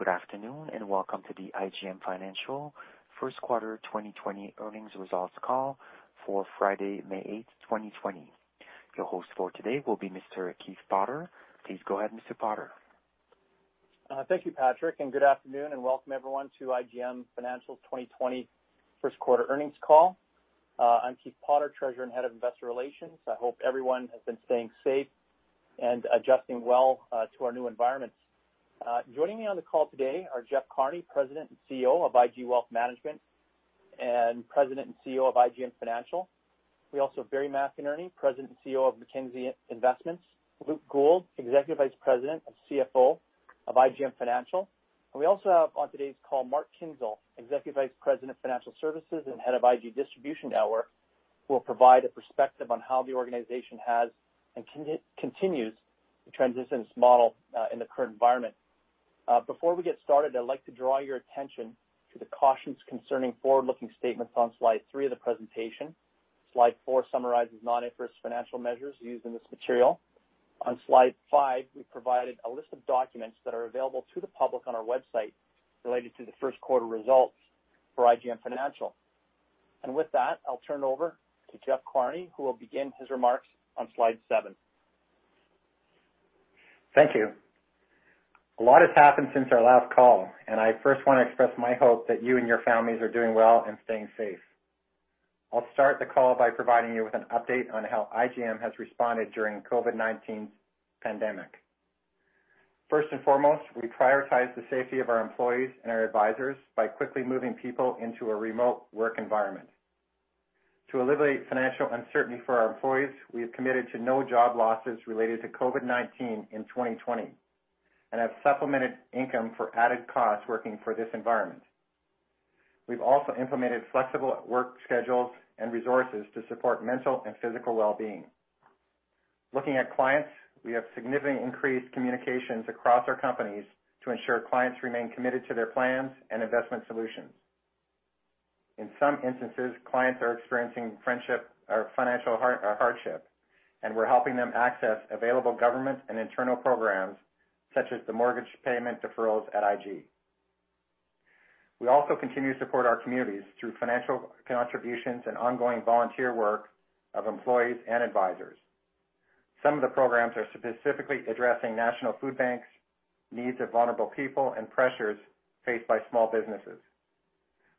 Good afternoon, and welcome to the IGM Financial first quarter 2020 earnings results call for Friday, May 8, 2020. Your host for today will be Mr. Keith Potter. Please go ahead, Mr. Potter. Thank you, Patrick, and good afternoon, and welcome everyone to IGM Financial's 2021 first quarter earnings call. I'm Keith Potter, Treasurer and Head of Investor Relations. I hope everyone has been staying safe and adjusting well to our new environments. Joining me on the call today are Jeff Carney, President and CEO of IG Wealth Management, and President and CEO of IGM Financial. We also have Barry McInerney, President and CEO of Mackenzie Investments. Luke Gould, Executive Vice President and CFO of IGM Financial. We also have on today's call Mark Kinzel, Executive Vice President of Financial Services and Head of IG Distribution Network, who will provide a perspective on how the organization has and continues to transition its model in the current environment. Before we get started, I'd like to draw your attention to the cautions concerning forward-looking statements on slide 3 of the presentation. Slide 4 summarizes non-IFRS financial measures used in this material. On slide 5, we've provided a list of documents that are available to the public on our website related to the first quarter results for IGM Financial. With that, I'll turn it over to Jeff Carney, who will begin his remarks on slide 7. Thank you. A lot has happened since our last call, and I first want to express my hope that you and your families are doing well and staying safe. I'll start the call by providing you with an update on how IGM has responded during COVID-19 pandemic. First and foremost, we prioritize the safety of our employees and our advisors by quickly moving people into a remote work environment. To alleviate financial uncertainty for our employees, we have committed to no job losses related to COVID-19 in 2020, and have supplemented income for added costs working for this environment. We've also implemented flexible work schedules and resources to support mental and physical well-being. Looking at clients, we have significantly increased communications across our companies to ensure clients remain committed to their plans and investment solutions. In some instances, clients are experiencing financial hardship, and we're helping them access available government and internal programs, such as the mortgage payment deferrals at IG. We also continue to support our communities through financial contributions and ongoing volunteer work of employees and advisors. Some of the programs are specifically addressing national food banks, needs of vulnerable people, and pressures faced by small businesses.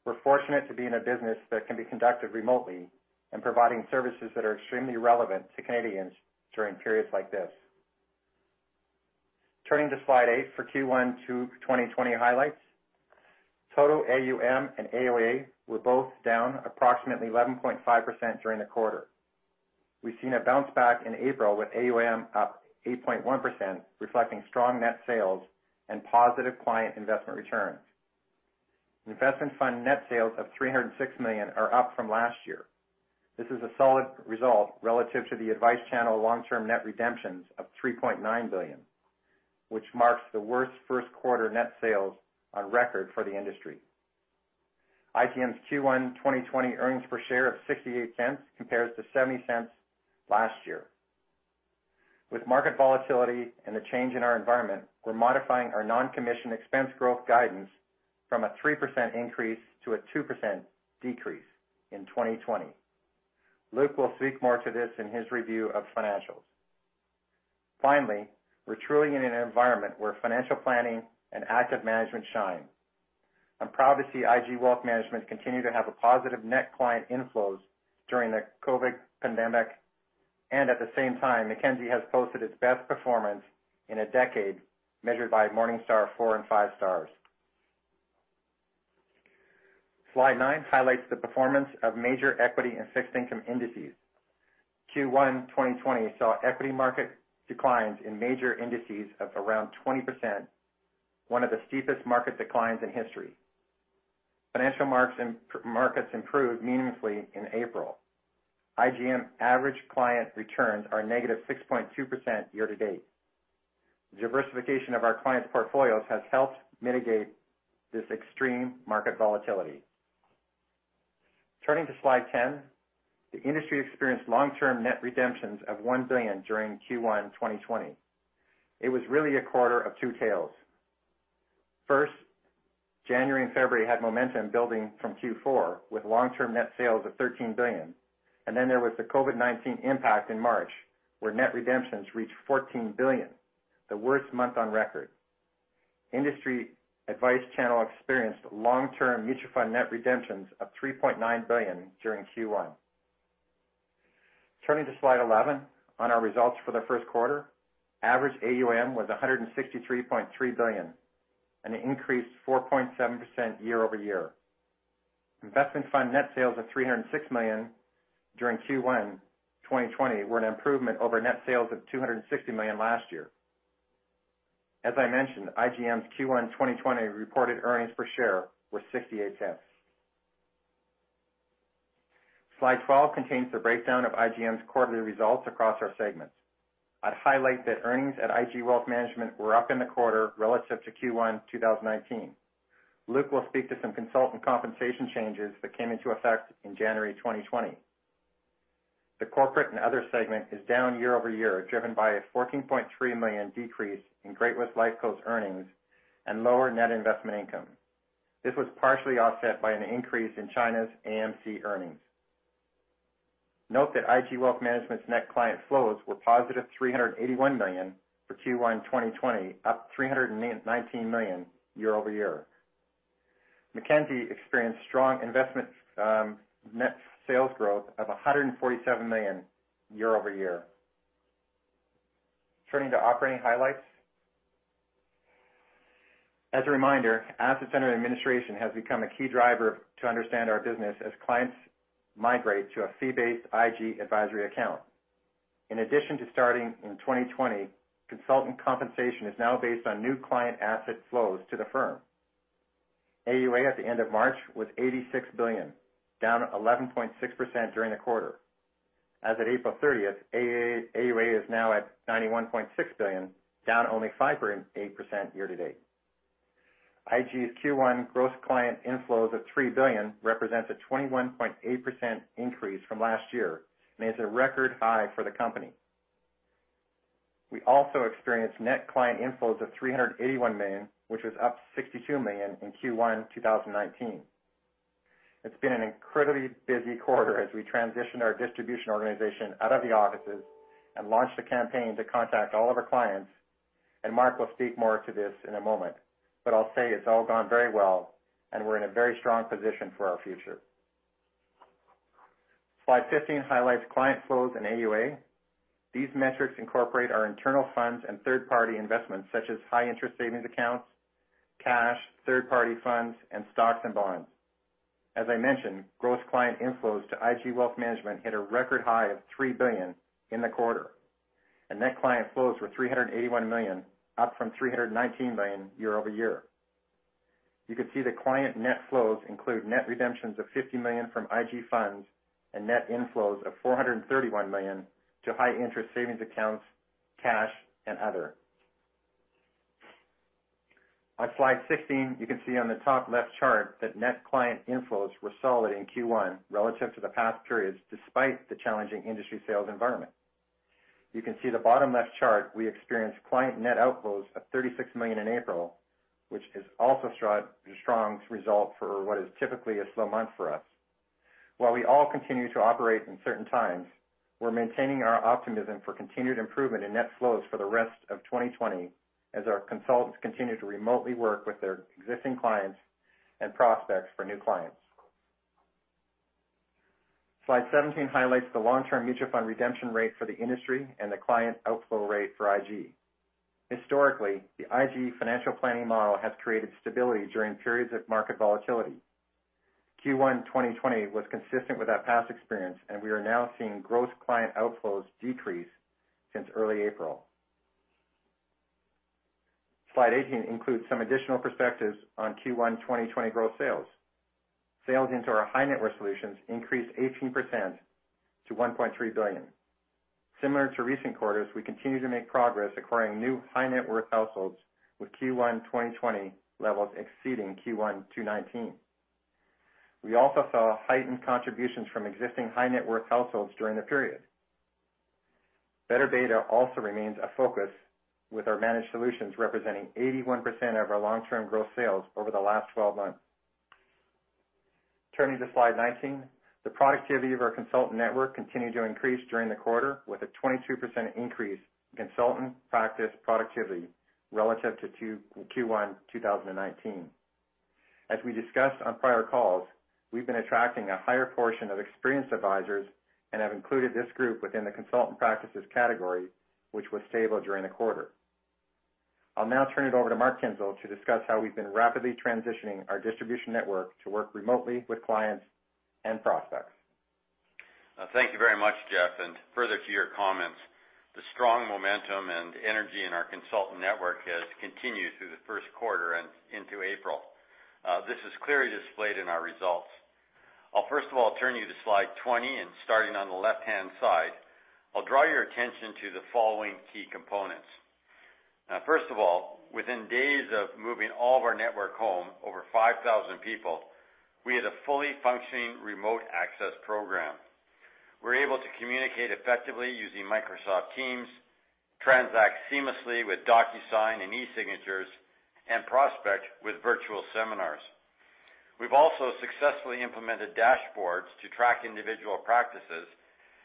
We're fortunate to be in a business that can be conducted remotely and providing services that are extremely relevant to Canadians during periods like this. Turning to slide 8 for Q1 2020 highlights. Total AUM and AUA were both down approximately 11.5% during the quarter. We've seen a bounce back in April, with AUM up 8.1%, reflecting strong net sales and positive client investment returns. Investment fund net sales of 306 million are up from last year. This is a solid result relative to the advice channel long-term net redemptions of 3.9 billion, which marks the worst first quarter net sales on record for the industry. IGM's Q1 2020 earnings per share of 0.68 compares to 0.70 last year. With market volatility and the change in our environment, we're modifying our non-commission expense growth guidance from a 3% increase to a 2% decrease in 2020. Luke will speak more to this in his review of financials. Finally, we're truly in an environment where financial planning and active management shine. I'm proud to see IG Wealth Management continue to have positive net client inflows during the COVID pandemic, and at the same time, Mackenzie has posted its best performance in a decade, measured by Morningstar 4 and 5 stars. Slide 9 highlights the performance of major equity and fixed income indices. Q1 2020 saw equity market declines in major indices of around 20%, one of the steepest market declines in history. Financial markets improved meaningfully in April. IGM's average client returns are -6.2% year to date. Diversification of our clients' portfolios has helped mitigate this extreme market volatility. Turning to Slide 10, the industry experienced long-term net redemptions of 1 billion during Q1 2020. It was really a quarter of two tails. First, January and February had momentum building from Q4, with long-term net sales of 13 billion. Then there was the COVID-19 impact in March, where net redemptions reached 14 billion, the worst month on record. Industry advice channel experienced long-term mutual fund net redemptions of 3.9 billion during Q1. Turning to slide 11, on our results for the first quarter, average AUM was 163.3 billion, and it increased 4.7% year-over-year. Investment fund net sales of CAD 306 million during Q1 2020 were an improvement over net sales of CAD 260 million last year. As I mentioned, IGM's Q1 2020 reported earnings per share were 0.68. Slide 12 contains the breakdown of IGM's quarterly results across our segments. I'd highlight that earnings at IG Wealth Management were up in the quarter relative to Q1 2019. Luke will speak to some consultant compensation changes that came into effect in January 2020. The corporate and other segment is down year-over-year, driven by a 14.3 million decrease in Great-West Lifeco's earnings and lower net investment income. This was partially offset by an increase in ChinaAMC's earnings. Note that IG Wealth Management's net client flows were positive 381 million for Q1 2020, up 319 million year-over-year. Mackenzie experienced strong investment net sales growth of 147 million year-over-year. Turning to operating highlights. As a reminder, assets under administration has become a key driver to understand our business as clients migrate to a fee-based IG advisory account. In addition to starting in 2020, consultant compensation is now based on new client asset flows to the firm. AUA at the end of March was 86 billion, down 11.6% during the quarter. As of April thirtieth, AUA is now at 91.6 billion, down only 5.8% year to date. IG's Q1 gross client inflows of 3 billion represents a 21.8% increase from last year and is a record high for the company. We also experienced net client inflows of 381 million, which was up 62 million in Q1 2019. It's been an incredibly busy quarter as we transition our distribution organization out of the offices and launched a campaign to contact all of our clients. And Mark will speak more to this in a moment, but I'll say it's all gone very well, and we're in a very strong position for our future. Slide 15 highlights client flows and AUA. These metrics incorporate our internal funds and third-party investments, such as high interest savings accounts, cash, third-party funds, and stocks and bonds. As I mentioned, gross client inflows to IG Wealth Management hit a record high of 3 billion in the quarter, and net client flows were 381 million, up from 319 million year-over-year. You can see the client net flows include net redemptions of 50 million from IG Funds and net inflows of 431 million to high interest savings accounts, cash, and other. On slide 16, you can see on the top left chart that net client inflows were solid in Q1 relative to the past periods, despite the challenging industry sales environment. You can see the bottom left chart, we experienced client net outflows of 36 million in April, which is also a strong, strong result for what is typically a slow month for us. While we all continue to operate in certain times, we're maintaining our optimism for continued improvement in net flows for the rest of 2020, as our consultants continue to remotely work with their existing clients and prospects for new clients. Slide 17 highlights the long-term mutual fund redemption rate for the industry and the client outflow rate for IG. Historically, the IG financial planning model has created stability during periods of market volatility. Q1 2020 was consistent with our past experience, and we are now seeing gross client outflows decrease since early April. Slide 18 includes some additional perspectives on Q1 2020 gross sales. Sales into our high net worth solutions increased 18% to 1.3 billion. Similar to recent quarters, we continue to make progress acquiring new high net worth households, with Q1 2020 levels exceeding Q1 2019. We also saw heightened contributions from existing high net worth households during the period. Better data also remains a focus, with our managed solutions representing 81% of our long-term growth sales over the last 12 months. Turning to slide 19. The productivity of our consultant network continued to increase during the quarter, with a 22% increase in consultant practice productivity relative to Q1 2019. As we discussed on prior calls, we've been attracting a higher portion of experienced advisors and have included this group within the consultant practices category, which was stable during the quarter. I'll now turn it over to Mark Kinzel to discuss how we've been rapidly transitioning our distribution network to work remotely with clients and prospects. Thank you very much, Jeff, and further to your comments, the strong momentum and energy in our consultant network has continued through the first quarter and into April. This is clearly displayed in our results. I'll first of all turn you to slide 20, and starting on the left-hand side, I'll draw your attention to the following key components. Now, first of all, within days of moving all of our network home, over 5,000 people, we had a fully functioning remote access program. We're able to communicate effectively using Microsoft Teams, transact seamlessly with DocuSign and e-signatures, and prospect with virtual seminars. We've also successfully implemented dashboards to track individual practices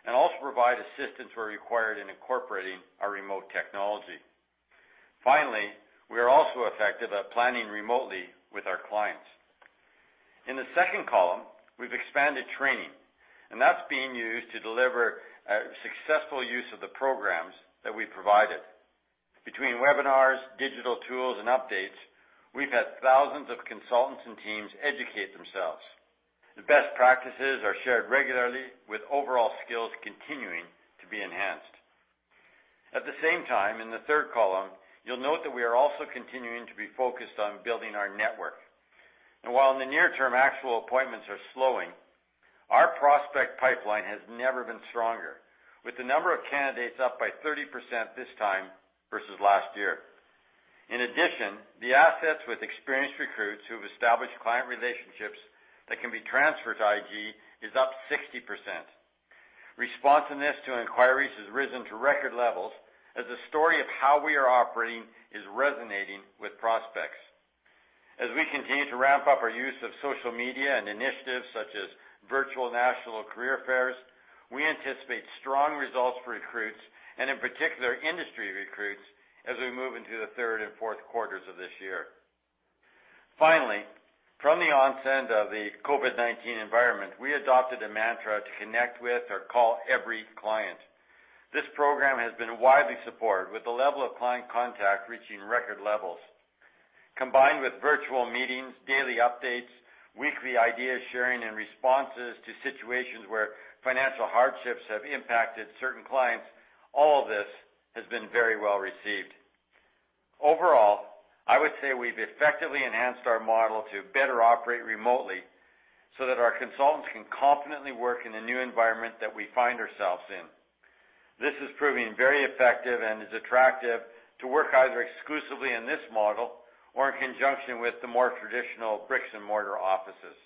and also provide assistance where required in incorporating our remote technology. Finally, we are also effective at planning remotely with our clients. In the second column, we've expanded training, and that's being used to deliver successful use of the programs that we provided. Between webinars, digital tools, and updates, we've had thousands of consultants and teams educate themselves. The best practices are shared regularly, with overall skills continuing to be enhanced. At the same time, in the third column, you'll note that we are also continuing to be focused on building our network. And while in the near term, actual appointments are slowing, our prospect pipeline has never been stronger, with the number of candidates up by 30% this time versus last year.... In addition, the assets with experienced recruits who have established client relationships that can be transferred to IG is up 60%. Responsiveness to inquiries has risen to record levels as the story of how we are operating is resonating with prospects. As we continue to ramp up our use of social media and initiatives such as virtual national career fairs, we anticipate strong results for recruits, and in particular, industry recruits, as we move into the third and fourth quarters of this year. Finally, from the onset of the COVID-19 environment, we adopted a mantra to connect with or call every client. This program has been widely supported, with the level of client contact reaching record levels. Combined with virtual meetings, daily updates, weekly idea sharing, and responses to situations where financial hardships have impacted certain clients, all of this has been very well received. Overall, I would say we've effectively enhanced our model to better operate remotely so that our consultants can confidently work in the new environment that we find ourselves in. This is proving very effective and is attractive to work either exclusively in this model or in conjunction with the more traditional bricks-and-mortar offices.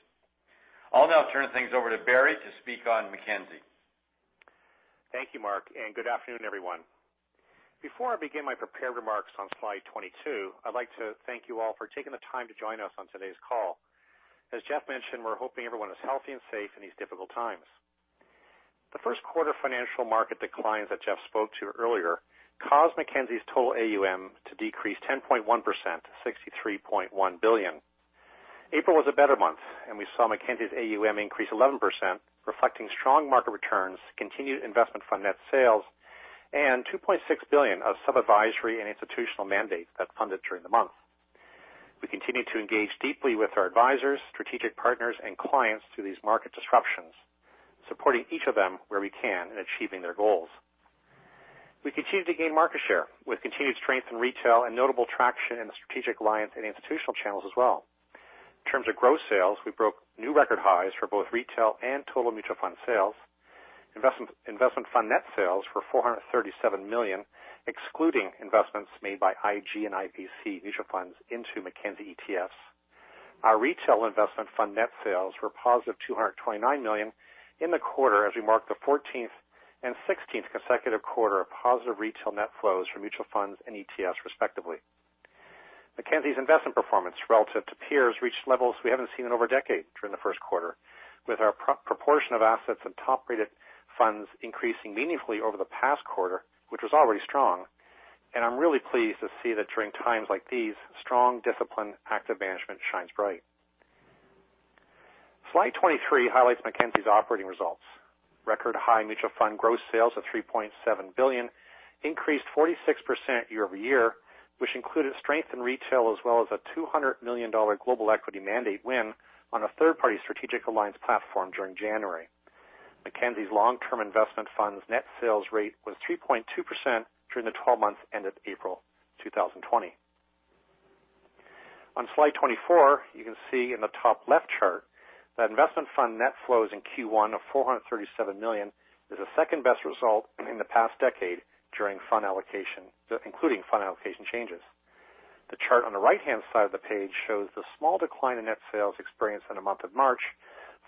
I'll now turn things over to Barry to speak on Mackenzie. Thank you, Mark, and good afternoon, everyone. Before I begin my prepared remarks on slide 22, I'd like to thank you all for taking the time to join us on today's call. As Jeff mentioned, we're hoping everyone is healthy and safe in these difficult times. The first quarter financial market declines that Jeff spoke to earlier caused Mackenzie's total AUM to decrease 10.1% to 63.1 billion. April was a better month, and we saw Mackenzie's AUM increase 11%, reflecting strong market returns, continued investment fund net sales, and 2.6 billion of sub-advisory and institutional mandates that funded during the month. We continue to engage deeply with our advisors, strategic partners, and clients through these market disruptions, supporting each of them where we can in achieving their goals. We continue to gain market share with continued strength in retail and notable traction in the strategic alliance and institutional channels as well. In terms of gross sales, we broke new record highs for both retail and total mutual fund sales. Investment fund net sales were 437 million, excluding investments made by IG and IPC mutual funds into Mackenzie ETFs. Our retail investment fund net sales were positive 229 million in the quarter as we marked the 14th and 16th consecutive quarter of positive retail net flows for mutual funds and ETFs, respectively. Mackenzie's investment performance relative to peers reached levels we haven't seen in over a decade during the first quarter, with our proportion of assets and top-rated funds increasing meaningfully over the past quarter, which was already strong. I'm really pleased to see that during times like these, strong, disciplined, active management shines bright. Slide 23 highlights Mackenzie's operating results. Record high mutual fund gross sales of 3.7 billion increased 46% year-over-year, which included strength in retail, as well as a 200 million dollar global equity mandate win on a third-party strategic alliance platform during January. Mackenzie's long-term investment funds net sales rate was 3.2% during the twelve months ended April 2020. On slide 24, you can see in the top left chart that investment fund net flows in Q1 of 437 million is the second-best result in the past decade during fund allocation, including fund allocation changes. The chart on the right-hand side of the page shows the small decline in net sales experienced in the month of March,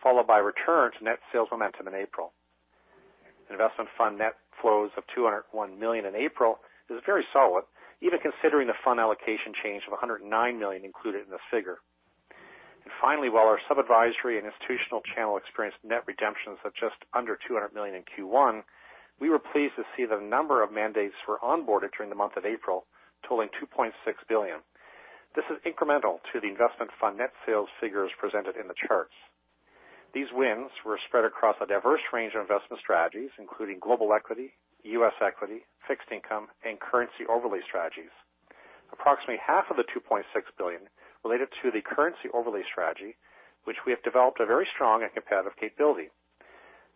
followed by a return to net sales momentum in April. Investment fund net flows of 201 million in April is very solid, even considering the fund allocation change of 109 million included in the figure. And finally, while our sub-advisory and institutional channel experienced net redemptions of just under 200 million in Q1, we were pleased to see that a number of mandates were onboarded during the month of April, totaling 2.6 billion. This is incremental to the investment fund net sales figures presented in the charts. These wins were spread across a diverse range of investment strategies, including global equity, US equity, fixed income, and currency overlay strategies. Approximately half of the 2.6 billion related to the currency overlay strategy, which we have developed a very strong and competitive capability.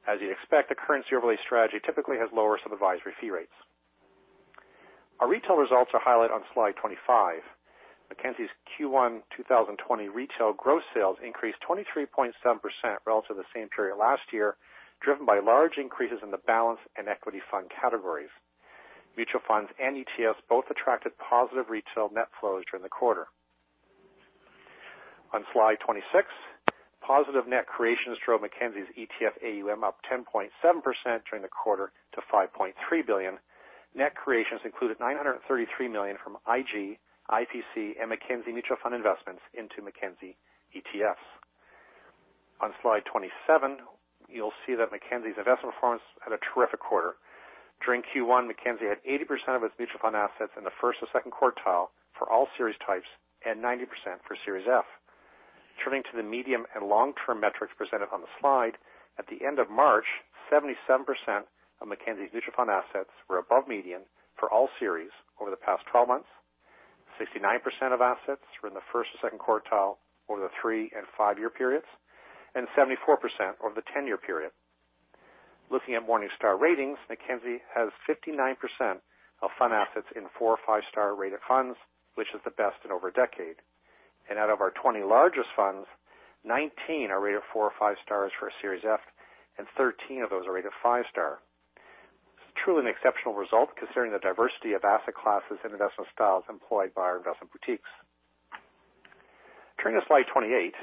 As you'd expect, the currency overlay strategy typically has lower sub-advisory fee rates. Our retail results are highlighted on slide 25. Mackenzie's Q1 2020 retail gross sales increased 23.7% relative to the same period last year, driven by large increases in the balanced and equity fund categories. Mutual funds and ETFs both attracted positive retail net flows during the quarter. On slide 26, positive net creations drove Mackenzie's ETF AUM up 10.7% during the quarter to 5.3 billion. Net creations included 933 million from IG, IPC, and Mackenzie Mutual Fund Investments into Mackenzie ETFs. On slide 27, you'll see that Mackenzie's investment performance had a terrific quarter. During Q1, Mackenzie had 80% of its mutual fund assets in the first or second quartile for all series types and 90% for Series F. Turning to the medium- and long-term metrics presented on the slide, at the end of March, 77% of Mackenzie's mutual fund assets were above median for all series over the past twelve months, 69% of assets were in the first or second quartile over the three- and five-year periods, and 74% over the ten-year period. Looking at Morningstar ratings, Mackenzie has 59% of fund assets in four- or five-star rated funds, which is the best in over a decade. Out of our 20 largest funds, 19 are rated four or five stars for Series F, and 13 of those are rated five-star. Truly an exceptional result, considering the diversity of asset classes and investment styles employed by our investment boutiques. Turning to slide 28,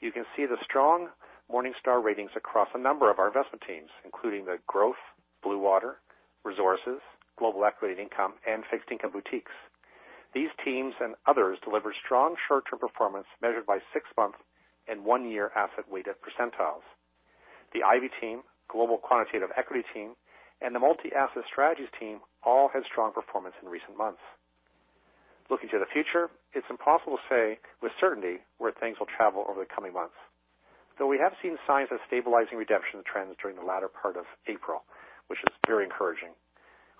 you can see the strong Morningstar ratings across a number of our investment teams, including the growth, Bluewater, resources, global equity and income, and fixed income boutiques. These teams and others delivered strong short-term performance, measured by 6-month and 1-year asset-weighted percentiles. The Ivy team, global quantitative equity team, and the multi-asset strategies team all had strong performance in recent months. Looking to the future, it's impossible to say with certainty where things will travel over the coming months. Though we have seen signs of stabilizing redemption trends during the latter part of April, which is very encouraging.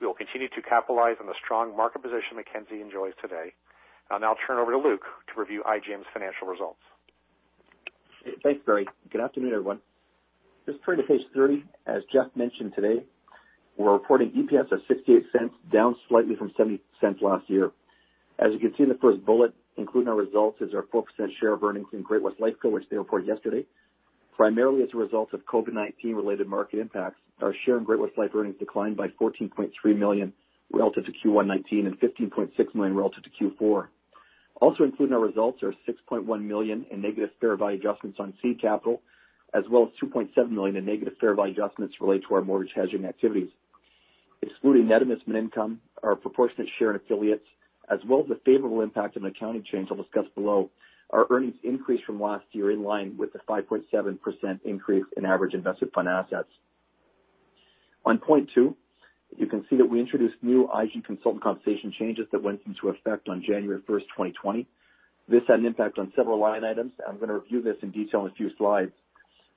We will continue to capitalize on the strong market position Mackenzie enjoys today. I'll now turn over to Luke to review IGM's financial results. Thanks, Barry. Good afternoon, everyone. Just turning to page 30, as Jeff mentioned today, we're reporting EPS of $0.68, down slightly from $0.70 last year. As you can see in the first bullet, including our results, is our 4% share of earnings in Great-West Life Co., which they reported yesterday. Primarily as a result of COVID-19 related market impacts, our share in Great-West Life earnings declined by 14.3 million relative to Q1 2019 and 15.6 million relative to Q4. Also included in our results are 6.1 million in negative fair value adjustments on seed capital, as well as 2.7 million in negative fair value adjustments related to our mortgage hedging activities. Excluding net investment income, our proportionate share in affiliates, as well as the favorable impact of accounting change I'll discuss below, our earnings increased from last year in line with the 5.7% increase in average invested fund assets. On point 2, you can see that we introduced new IG consultant compensation changes that went into effect on January 1, 2020. This had an impact on several line items. I'm going to review this in detail in a few slides.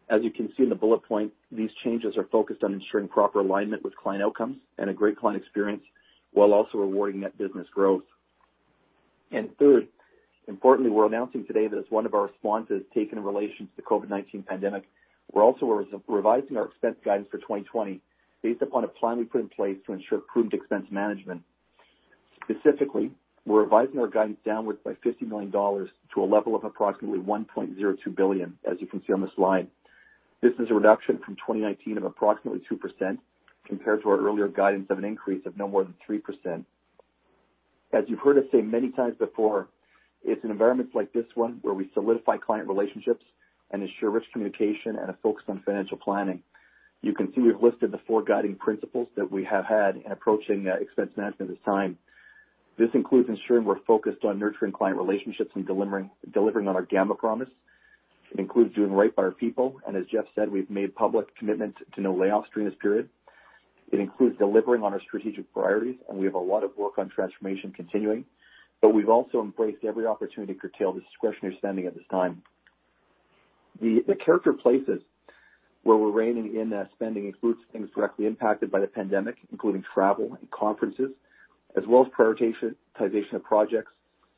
As you can see in the bullet point, these changes are focused on ensuring proper alignment with client outcomes and a great client experience, while also rewarding that business growth. Third, importantly, we're announcing today that as one of our responses taken in relation to the COVID-19 pandemic, we're also re-revising our expense guidance for 2020 based upon a plan we put in place to ensure prudent expense management. Specifically, we're revising our guidance downwards by 50 million dollars to a level of approximately 1.02 billion, as you can see on this slide. This is a reduction from 2019 of approximately 2% compared to our earlier guidance of an increase of no more than 3%. As you've heard us say many times before, it's in environments like this one, where we solidify client relationships and ensure rich communication and a focus on financial planning. You can see we've listed the four guiding principles that we have had in approaching expense management at this time. This includes ensuring we're focused on nurturing client relationships and delivering on our Gamma promise. It includes doing right by our people, and as Jeff said, we've made public commitments to no layoffs during this period. It includes delivering on our strategic priorities, and we have a lot of work on transformation continuing, but we've also embraced every opportunity to curtail discretionary spending at this time. The particular places where we're reining in spending includes things directly impacted by the pandemic, including travel and conferences, as well as prioritization of projects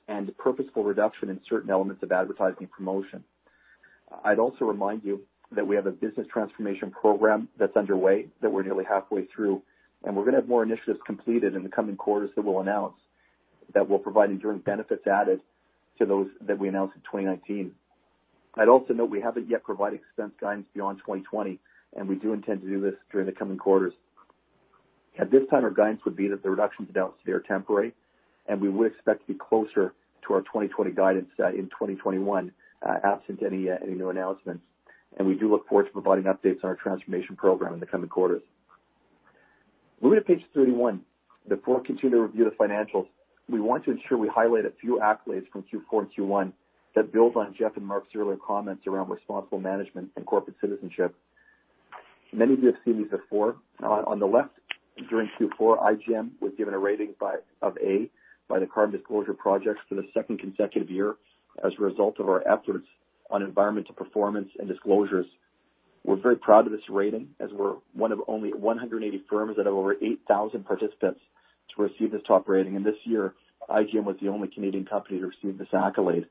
and purposeful reduction in certain elements of advertising and promotion. I'd also remind you that we have a business transformation program that's underway, that we're nearly halfway through, and we're going to have more initiatives completed in the coming quarters that we'll announce, that will provide enduring benefits added to those that we announced in 2019. I'd also note we haven't yet provided expense guidance beyond 2020, and we do intend to do this during the coming quarters. At this time, our guidance would be that the reductions announced today are temporary, and we would expect to be closer to our 2020 guidance in 2021, absent any new announcements. We do look forward to providing updates on our transformation program in the coming quarters. Moving to page 31, before we continue to review the financials, we want to ensure we highlight a few accolades from Q4 and Q1 that build on Jeff and Mark's earlier comments around responsible management and corporate citizenship. Many of you have seen these before. On the left, during Q4, IGM was given a rating of A by the Carbon Disclosure Project for the second consecutive year as a result of our efforts on environmental performance and disclosures. We're very proud of this rating, as we're one of only 180 firms out of over 8,000 participants to receive this top rating. This year, IGM was the only Canadian company to receive this accolade.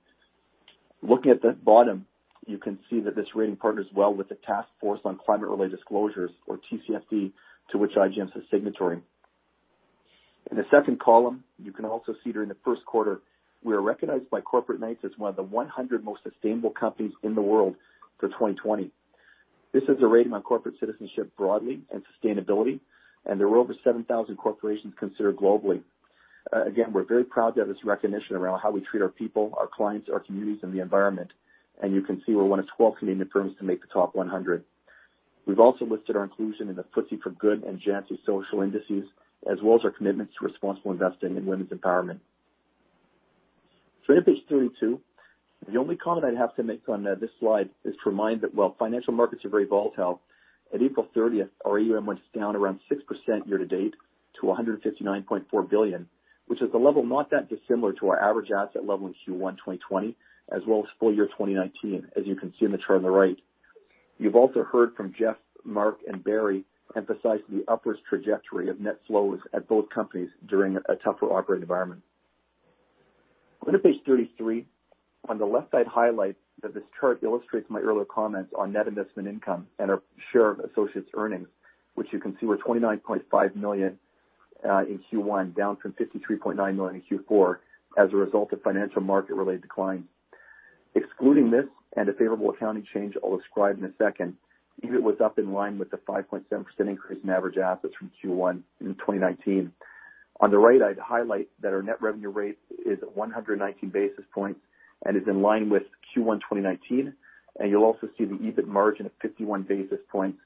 Looking at the bottom, you can see that this rating partners well with the Task Force on Climate-Related Disclosures, or TCFD, to which IGM is a signatory. In the second column, you can also see during the first quarter, we are recognized by Corporate Knights as one of the 100 most sustainable companies in the world for 2020. This is a rating on corporate citizenship broadly and sustainability, and there were over 7,000 corporations considered globally. Again, we're very proud to have this recognition around how we treat our people, our clients, our communities, and the environment. And you can see we're one of 12 Canadian firms to make the top 100. We've also listed our inclusion in the FTSE4Good and Jantzi Social Indices, as well as our commitments to responsible investing in women's empowerment. In page 32, the only comment I'd have to make on this slide is to remind that while financial markets are very volatile, at April 30th, our AUM was down around 6% year to date, to 159.4 billion, which is a level not that dissimilar to our average asset level in Q1 2020, as well as full year 2019, as you can see on the chart on the right. You've also heard from Jeff, Mark, and Barry emphasize the upwards trajectory of net flows at both companies during a tougher operating environment. Going to page 33. On the left side highlights that this chart illustrates my earlier comments on net investment income and our share of associates' earnings, which you can see were 29.5 million in Q1, down from 53.9 million in Q4, as a result of financial market-related decline, excluding this and a favorable accounting change I'll describe in a second, EBIT was up in line with the 5.7% increase in average assets from Q1 2019. On the right, I'd highlight that our net revenue rate is at 119 basis points and is in line with Q1 2019, and you'll also see the EBIT margin of 51 basis points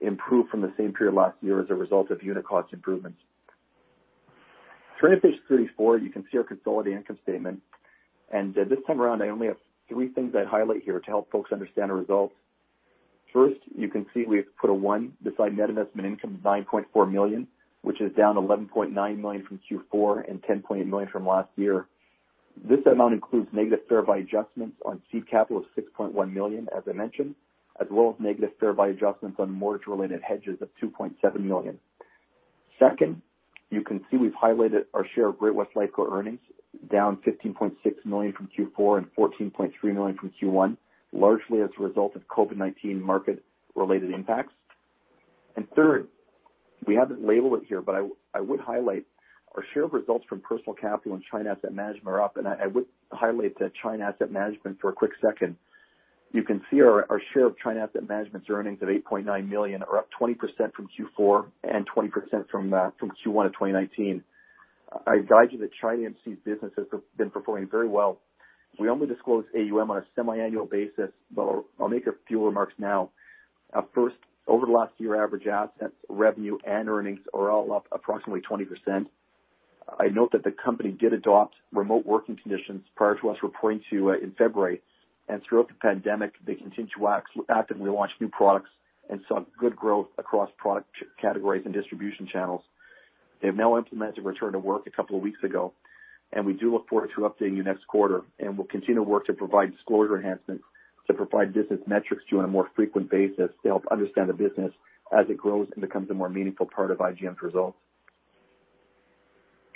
improve from the same period last year as a result of unit cost improvements. Turning to page 34, you can see our consolidated income statement, and this time around, I only have 3 things I'd highlight here to help folks understand our results. First, you can see we've put a 1 beside net investment income of 9.4 million, which is down 11.9 million from Q4 and 10.8 million from last year. This amount includes negative fair value adjustments on seed capital of 6.1 million, as I mentioned, as well as negative fair value adjustments on mortgage-related hedges of 2.7 million. Second, you can see we've highlighted our share of Great-West Lifeco earnings, down 15.6 million from Q4 and 14.3 million from Q1, largely as a result of COVID-19 market-related impacts. Third, we haven't labeled it here, but I would highlight our share of results from Personal Capital and China Asset Management are up, and I would highlight that China Asset Management for a quick second. You can see our share of China Asset Management's earnings of 8.9 million are up 20% from Q4 and 20% from Q1 of 2019. I'd guide you that ChinaAMC's business has been performing very well. We only disclose AUM on a semi-annual basis, but I'll make a few remarks now. First, over the last year, average assets, revenue, and earnings are all up approximately 20%. I note that the company did adopt remote working conditions prior to us reporting to in February, and throughout the pandemic, they continued to actively launch new products and saw good growth across product categories and distribution channels. They have now implemented return to work a couple of weeks ago, and we do look forward to updating you next quarter, and we'll continue to work to provide disclosure enhancements to provide business metrics to you on a more frequent basis to help understand the business as it grows and becomes a more meaningful part of IGM's results.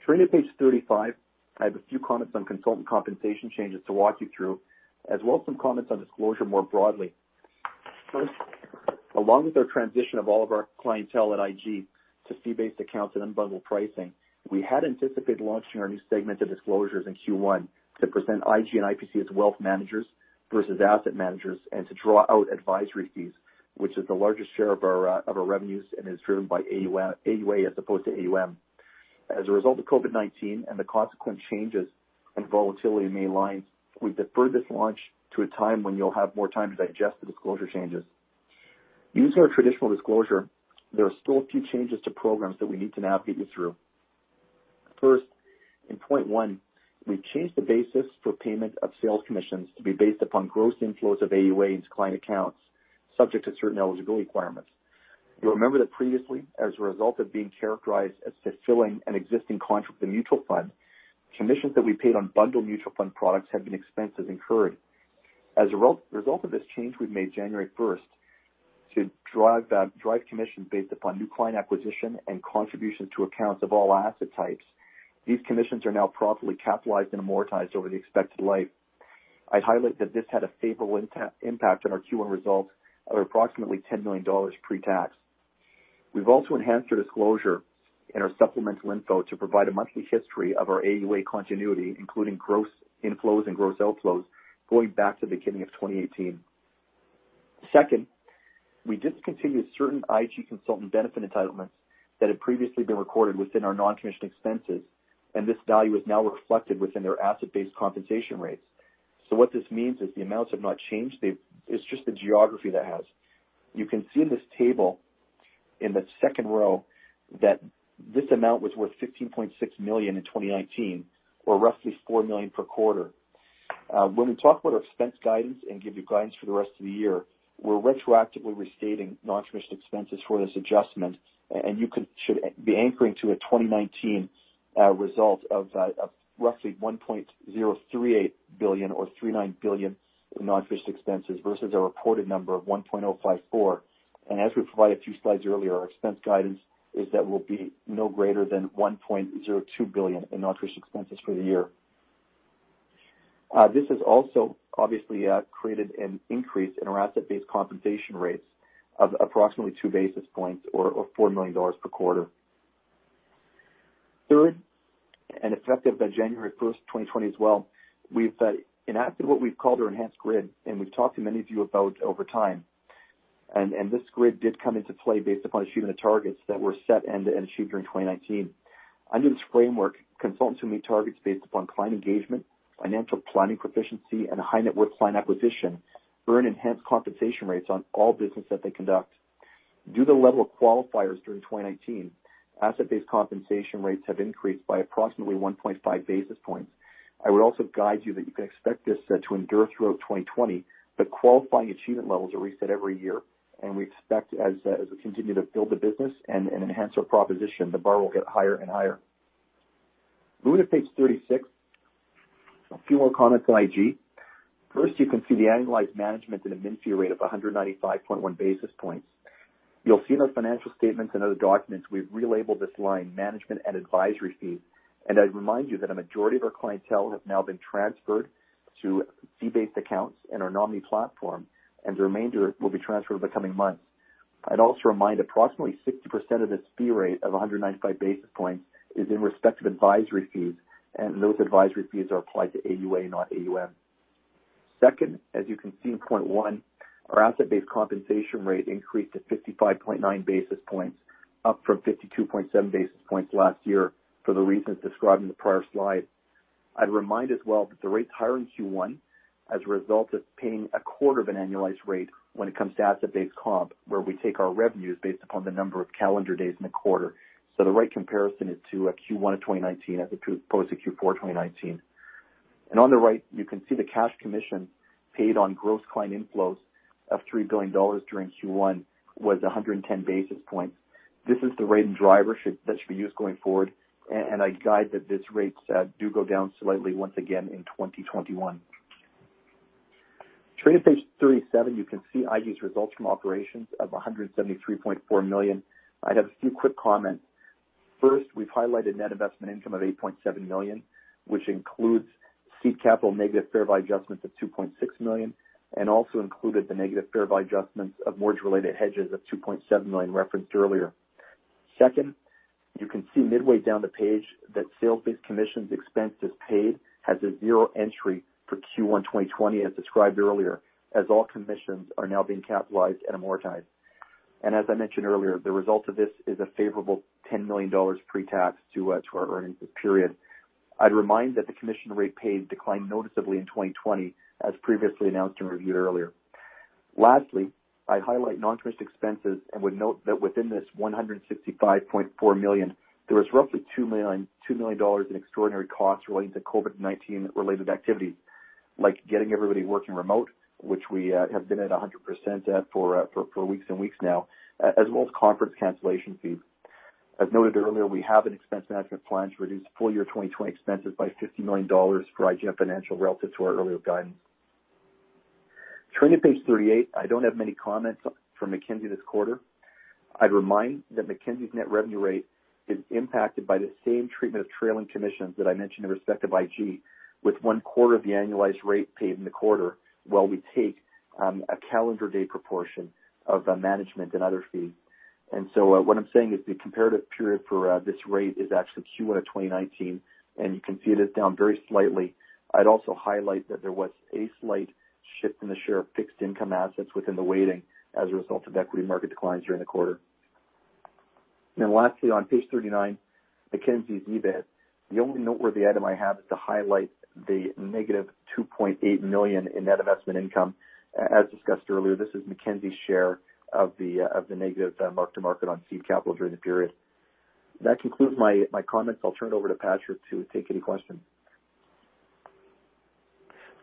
Turning to page 35, I have a few comments on consultant compensation changes to walk you through, as well as some comments on disclosure more broadly. First, along with our transition of all of our clientele at IG to fee-based accounts and unbundled pricing, we had anticipated launching our new segment of disclosures in Q1 to present IG and IPC as wealth managers versus asset managers, and to draw out advisory fees, which is the largest share of our, of our revenues and is driven by AUA, as opposed to AUM. As a result of COVID-19 and the consequent changes in volatility in May lines, we've deferred this launch to a time when you'll have more time to digest the disclosure changes. Using our traditional disclosure, there are still a few changes to programs that we need to now get you through. First, in point one, we've changed the basis for payment of sales commissions to be based upon gross inflows of AUA into client accounts, subject to certain eligibility requirements. You'll remember that previously, as a result of being characterized as fulfilling an existing contract with a mutual fund, commissions that we paid on bundled mutual fund products have been expensed as incurred. As a result of this change we've made January first to drive commissions based upon new client acquisition and contributions to accounts of all asset types, these commissions are now properly capitalized and amortized over the expected life. I'd highlight that this had a favorable impact on our Q1 results of approximately 10 million dollars pre-tax. We've also enhanced our disclosure in our supplemental info to provide a monthly history of our AUA continuity, including gross inflows and gross outflows, going back to the beginning of 2018. Second, we discontinued certain IG consultant benefit entitlements that had previously been recorded within our non-commissioned expenses, and this value is now reflected within their asset-based compensation rates. So what this means is the amounts have not changed, they've. It's just the geography that has. You can see in this table, in the second row, that this amount was worth 15.6 million in 2019, or roughly 4 million per quarter. When we talk about our expense guidance and give you guidance for the rest of the year, we're retroactively restating non-commissioned expenses for this adjustment, and you should be anchoring to a 2019 result of roughly 1.038 billion or 259 million in non-commissioned expenses versus a reported number of 1.054 billion. As we provided a few slides earlier, our expense guidance is that we'll be no greater than 1.02 billion in non-commissioned expenses for the year. This has also obviously created an increase in our asset-based compensation rates of approximately two basis points or 4 million dollars per quarter. Third, and effective by January 1, 2020 as well, we've enacted what we've called our enhanced grid, and we've talked to many of you about over time. And this grid did come into play based upon achievement of targets that were set and achieved during 2019. Under this framework, consultants who meet targets based upon client engagement, financial planning proficiency, and a high net worth client acquisition earn enhanced compensation rates on all business that they conduct. Due to the level of qualifiers during 2019, asset-based compensation rates have increased by approximately 1.5 basis points. I would also guide you that you can expect this to endure throughout 2020, but qualifying achievement levels are reset every year, and we expect as we continue to build the business and enhance our proposition, the bar will get higher and higher. Moving to page 36, a few more comments on IG. First, you can see the annualized management and admin fee rate of 195.1 basis points. You'll see in our financial statements and other documents, we've relabeled this line Management and Advisory Fee, and I'd remind you that a majority of our clientele have now been transferred to fee-based accounts in our nominee platform, and the remainder will be transferred over the coming months. I'd also remind, approximately 60% of this fee rate of 195 basis points is in respect to advisory fees, and those advisory fees are applied to AUA, not AUM. Second, as you can see in point one, our asset-based compensation rate increased to 55.9 basis points, up from 52.7 basis points last year for the reasons described in the prior slide. I'd remind as well that the rate's higher in Q1 as a result of paying a quarter of an annualized rate when it comes to asset-based comp, where we take our revenues based upon the number of calendar days in the quarter. So the right comparison is to a Q1 of 2019 as opposed to Q4 2019. On the right, you can see the cash commission paid on gross client inflows of 3 billion dollars during Q1 was 110 basis points. This is the rate and driver that should be used going forward, and I guide that this rate does go down slightly once again in 2021. Turning to page 37, you can see IG's results from operations of 173.4 million. I'd have a few quick comments. First, we've highlighted net investment income of 8.7 million, which includes seed capital negative fair value adjustments of 2.6 million, and also included the negative fair value adjustments of mortgage-related hedges of 2.7 million referenced earlier. Second, you can see midway down the page that sales-based commissions expense is paid, has a zero entry for Q1 2020, as described earlier, as all commissions are now being capitalized and amortized. And as I mentioned earlier, the result of this is a favorable 10 million dollars pre-tax to our earnings per period. I'd remind that the commission rate paid declined noticeably in 2020, as previously announced and reviewed earlier. Lastly, I'd highlight non-interest expenses and would note that within this 165.4 million, there was roughly 2 million dollars, CAD 2 million in extraordinary costs relating to COVID-19 related activities, like getting everybody working remote, which we have been at 100% for weeks and weeks now, as well as conference cancellation fees. As noted earlier, we have an expense management plan to reduce full year 2020 expenses by 50 million dollars for IGM Financial relative to our earlier guidance. Turning to page 38, I don't have many comments from Mackenzie this quarter. I'd remind that Mackenzie's net revenue rate is impacted by the same treatment of trailing commissions that I mentioned in respect of IG, with one quarter of the annualized rate paid in the quarter, while we take a calendar day proportion of the management and other fees. And so, what I'm saying is the comparative period for this rate is actually Q1 of 2019, and you can see it is down very slightly. I'd also highlight that there was a slight shift in the share of fixed income assets within the weighting as a result of equity market declines during the quarter. And then lastly, on page 39, Mackenzie's EBIT, the only noteworthy item I have is to highlight the -2.8 million in net investment income. As discussed earlier, this is Mackenzie's share of the negative mark to market on seed capital during the period. That concludes my comments. I'll turn it over to Patrick to take any questions.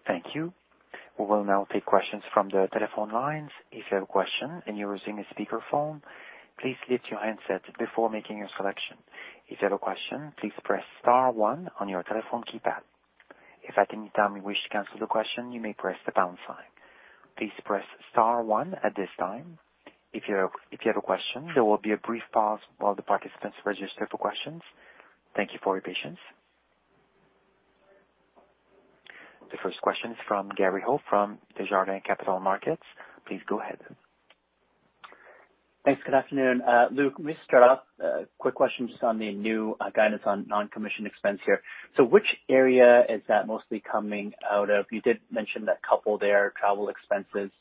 Thank you. We will now take questions from the telephone lines. If you have a question and you're using a speakerphone, please mute your handset before making your selection. If you have a question, please press star one on your telephone keypad. If at any time you wish to cancel the question, you may press the pound sign. Please press star one at this time, if you have, if you have a question. There will be a brief pause while the participants register for questions. Thank you for your patience. The first question is from Gary Ho, from Desjardins Capital Markets. Please go ahead. Thanks. Good afternoon, Luke, let me start off, quick question just on the new, guidance on non-commission expense here. So which area is that mostly coming out of? You did mention that couple there, travel expenses,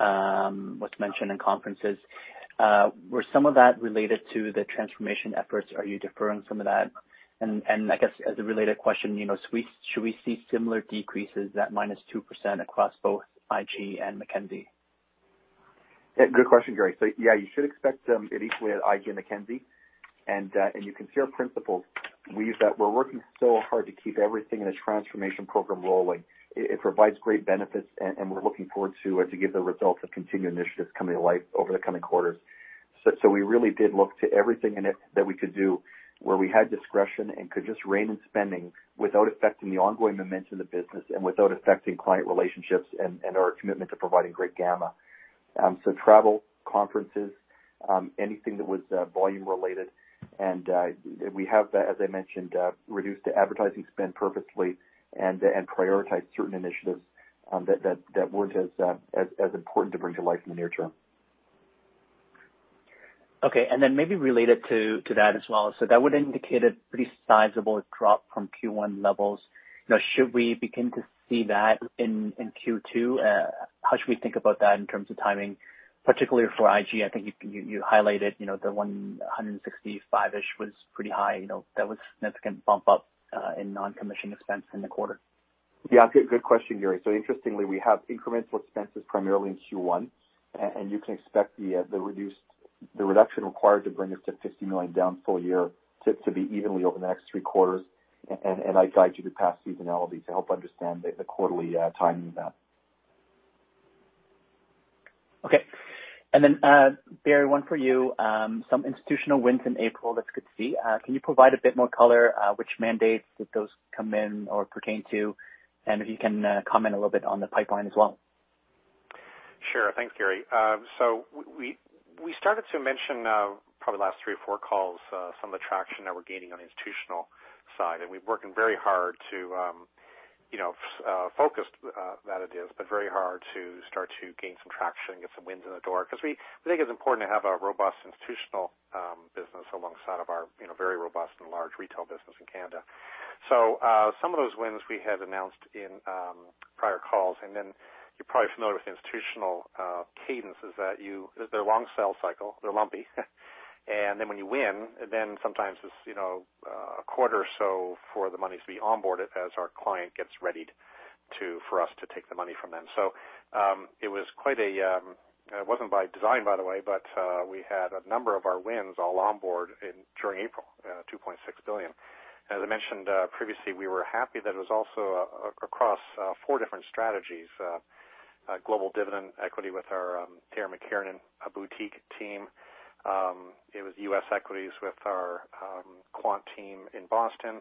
was mentioned in conferences. Were some of that related to the transformation efforts? Are you deferring some of that? And, and I guess as a related question, you know, so should we see similar decreases, that -2%, across both IG and Mackenzie? Yeah, good question, Gary. So yeah, you should expect it equally at IG and Mackenzie, and you can see our principles. We're working so hard to keep everything in the transformation program rolling. It provides great benefits, and we're looking forward to give the results of continued initiatives coming to life over the coming quarters. So we really did look to everything in it that we could do, where we had discretion and could just rein in spending without affecting the ongoing momentum of the business and without affecting client relationships and our commitment to providing great gamma. So travel, conferences, anything that was volume related, and we have, as I mentioned, reduced the advertising spend purposely and prioritized certain initiatives that weren't as important to bring to life in the near term. Okay, and then maybe related to that as well. So that would indicate a pretty sizable drop from Q1 levels. You know, should we begin to see that in Q2? How should we think about that in terms of timing, particularly for IG? I think you highlighted, you know, the 165-ish was pretty high. You know, that was a significant bump up in non-commission expense in the quarter. Yeah, good question, Gary. So interestingly, we have incremental expenses primarily in Q1, and you can expect the reduced, the reduction required to bring us to 50 million down full year to be evenly over the next three quarters. And I'd guide you to past seasonality to help understand the quarterly timing of that. Okay. And then, Barry, one for you. Some institutional wins in April, that's good to see. Can you provide a bit more color, which mandates did those come in or pertain to? And if you can, comment a little bit on the pipeline as well. Sure. Thanks, Gary. So we started to mention probably the last three or four calls some of the traction that we're gaining on the institutional side, and we've working very hard to you know focused that it is but very hard to start to gain some traction and get some wins in the door. Because we think it's important to have a robust institutional business alongside of our you know very robust and large retail business in Canada. So some of those wins we have announced in prior calls, and then you're probably familiar with the institutional cadences that they're long sales cycle, they're lumpy. And then when you win, then sometimes it's, you know, a quarter or so for the money to be onboarded as our client gets readied for us to take the money from them. So, it was quite a, it wasn't by design, by the way, but, we had a number of our wins all onboarded during April, 2.6 billion. As I mentioned, previously, we were happy that it was also across four different strategies. Global dividend equity with our Darren McKiernan, a boutique team. It was US equities with our quant team in Boston.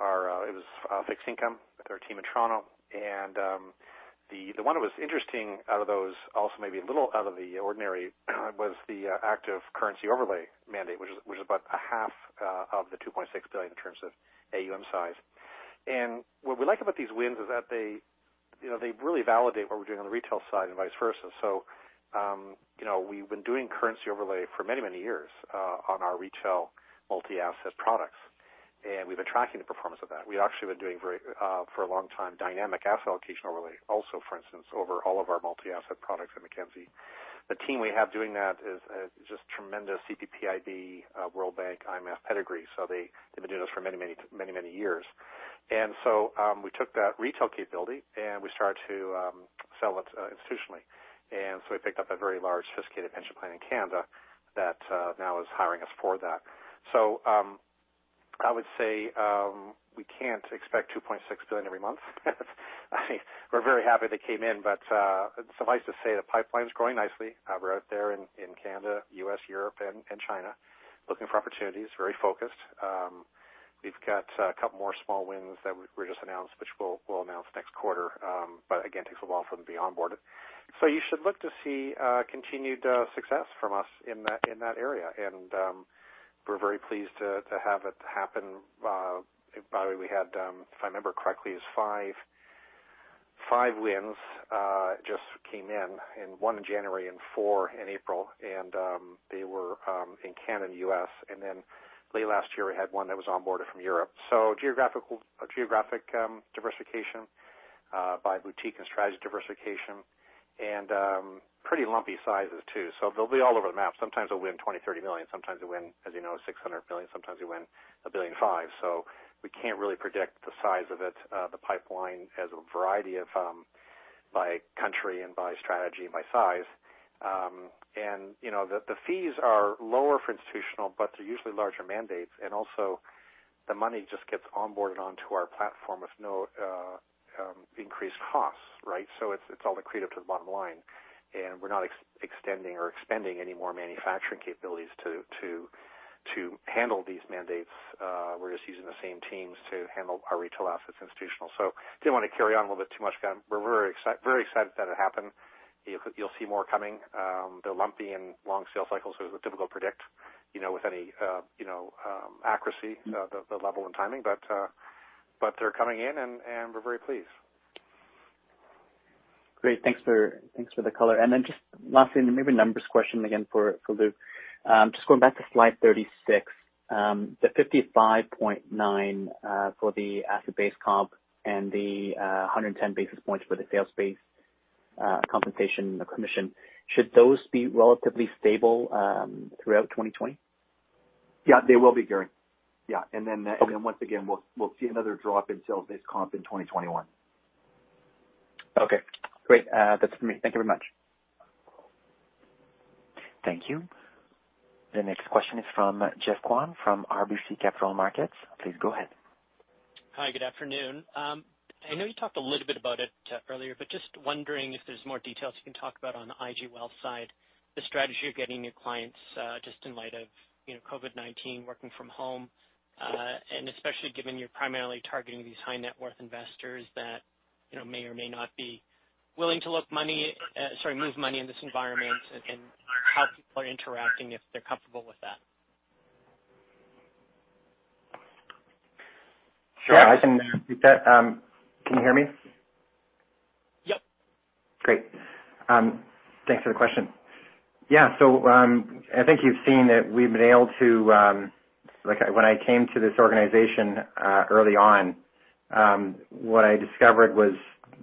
It was fixed income with our team in Toronto. The one that was interesting out of those, also maybe a little out of the ordinary, was the active currency overlay mandate, which was about 1.3 billion in terms of AUM size. What we like about these wins is that they, you know, they really validate what we're doing on the retail side and vice versa. So, you know, we've been doing currency overlay for many, many years on our retail multi-asset products, and we've been tracking the performance of that. We've actually been doing very for a long time dynamic asset allocation overlay, also, for instance, over all of our multi-asset products at Mackenzie. The team we have doing that is just tremendous CPPIB, World Bank, IMF pedigree. So they've been doing this for many, many, many, many years. We took that retail capability, and we started to sell it institutionally. So we picked up a very large sophisticated pension plan in Canada that now is hiring us for that. I would say we can't expect 2.6 billion every month. I think we're very happy they came in, but suffice to say, the pipeline's growing nicely. We're out there in Canada, US, Europe, and China, looking for opportunities, very focused. We've got a couple more small wins that we just announced, which we'll announce next quarter. But again, takes a while for them to be onboarded. So you should look to see continued success from us in that area. We're very pleased to have it happen. By the way, we had, if I remember correctly, it was five wins just came in, and one in January and four in April, and they were in Canada and U.S. And then late last year, we had one that was onboarded from Europe. So geographic diversification by boutique and strategy diversification, and pretty lumpy sizes, too. So they'll be all over the map. Sometimes we'll win 20 million, 30 million. Sometimes we'll win, as you know, 600 billion. Sometimes we win 1.5 billion. So we can't really predict the size of it. The pipeline has a variety of by country and by strategy and by size. And, you know, the fees are lower for institutional, but they're usually larger mandates. And also, the money just gets onboarded onto our platform with no increased costs, right? So it's all accretive to the bottom line. And we're not extending or expending any more manufacturing capabilities to handle these mandates. We're just using the same teams to handle our retail assets institutional. So didn't want to carry on a little bit too much. We're very excited that it happened. You'll see more coming. They're lumpy and long sales cycles, so it's difficult to predict, you know, with any accuracy, the level and timing. But they're coming in, and we're very pleased. Great. Thanks for, thanks for the color. And then just lastly, maybe a numbers question again for, for Luke. Just going back to slide 36. The 55.9 for the asset-based comp and the hundred and ten basis points for the sales-based compensation commission, should those be relatively stable throughout 2020? Yeah, they will be, Gary. Yeah. Okay. And then, once again, we'll see another drop in sales-based comp in 2021. Okay, great. That's for me. Thank you very much. Thank you. The next question is from Geoffrey Kwan from RBC Capital Markets. Please go ahead. Hi, good afternoon. I know you talked a little bit about it earlier, but just wondering if there's more details you can talk about on the IG Wealth side, the strategy of getting new clients, just in light of, you know, COVID-19, working from home. And especially given you're primarily targeting these high net worth investors that, you know, may or may not be willing to look money, sorry, move money in this environment, and how people are interacting, if they're comfortable with that. Sure, I can take that. Can you hear me? Yep. Great. Thanks for the question. Yeah, so, I think you've seen that we've been able to... Like, when I came to this organization, early on, what I discovered was,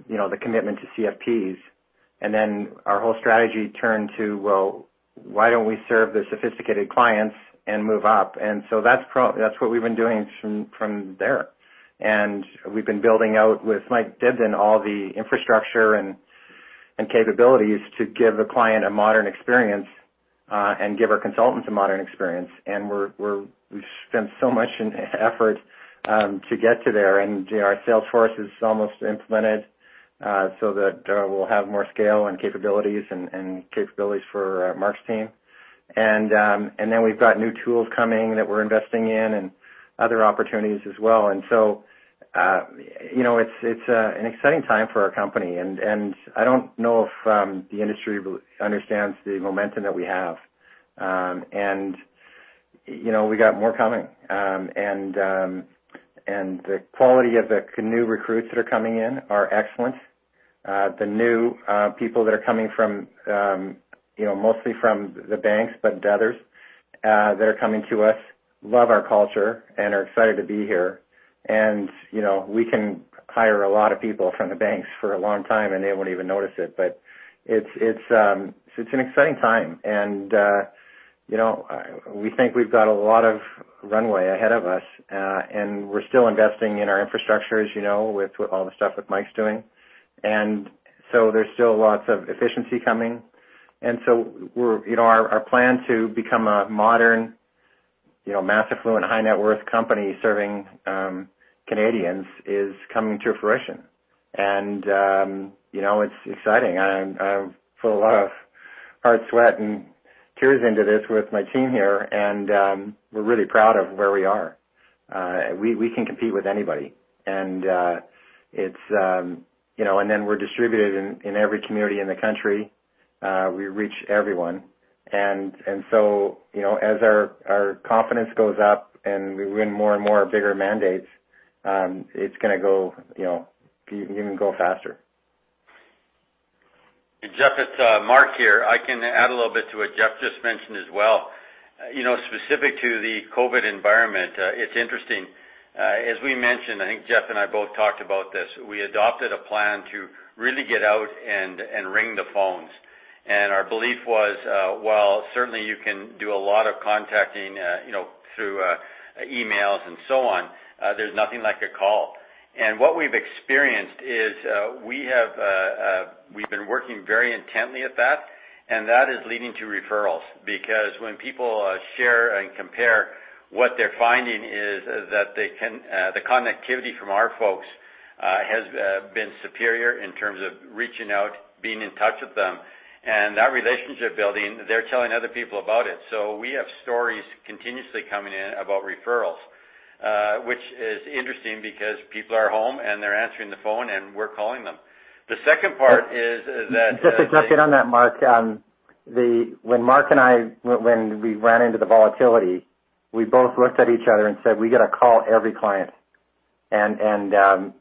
you know, the commitment to CFPs, and then our whole strategy turned to, well, why don't we serve the sophisticated clients and move up? And so that's what we've been doing from there. And we've been building out with Mike Dibden, all the infrastructure and, and capabilities to give the client a modern experience, and give our consultants a modern experience. And we've spent so much in effort to get to there. And, you know, our sales force is almost implemented, so that we'll have more scale and capabilities and, and capabilities for Mark's team. And then we've got new tools coming that we're investing in and other opportunities as well. And so, you know, it's an exciting time for our company, and I don't know if the industry really understands the momentum that we have. And- ... you know, we got more coming. And the quality of the new recruits that are coming in are excellent. The new people that are coming from, you know, mostly from the banks, but others that are coming to us, love our culture and are excited to be here. And, you know, we can hire a lot of people from the banks for a long time, and they won't even notice it, but it's so it's an exciting time. And you know, we think we've got a lot of runway ahead of us, and we're still investing in our infrastructure, as you know, with all the stuff that Mike's doing. And so there's still lots of efficiency coming. So we're, you know, our plan to become a modern, you know, massive affluent, high net worth company serving Canadians is coming to fruition. You know, it's exciting. I've put a lot of hard sweat and tears into this with my team here, and we're really proud of where we are. We can compete with anybody. And it's you know and then we're distributed in every community in the country. We reach everyone. And so, you know, as our confidence goes up and we win more and more bigger mandates, it's gonna go, you know, even go faster. Jeff, it's Mark here. I can add a little bit to what Jeff just mentioned as well. You know, specific to the COVID environment, it's interesting. As we mentioned, I think Jeff and I both talked about this, we adopted a plan to really get out and ring the phones. Our belief was, while certainly you can do a lot of contacting, you know, through emails and so on, there's nothing like a call. What we've experienced is, we've been working very intently at that, and that is leading to referrals. Because when people share and compare, what they're finding is that the connectivity from our folks has been superior in terms of reaching out, being in touch with them, and that relationship building. They're telling other people about it. So we have stories continuously coming in about referrals, which is interesting because people are home, and they're answering the phone, and we're calling them. The second part is that- Just to jump in on that, Mark, when Mark and I, when we ran into the volatility, we both looked at each other and said, "We gotta call every client." And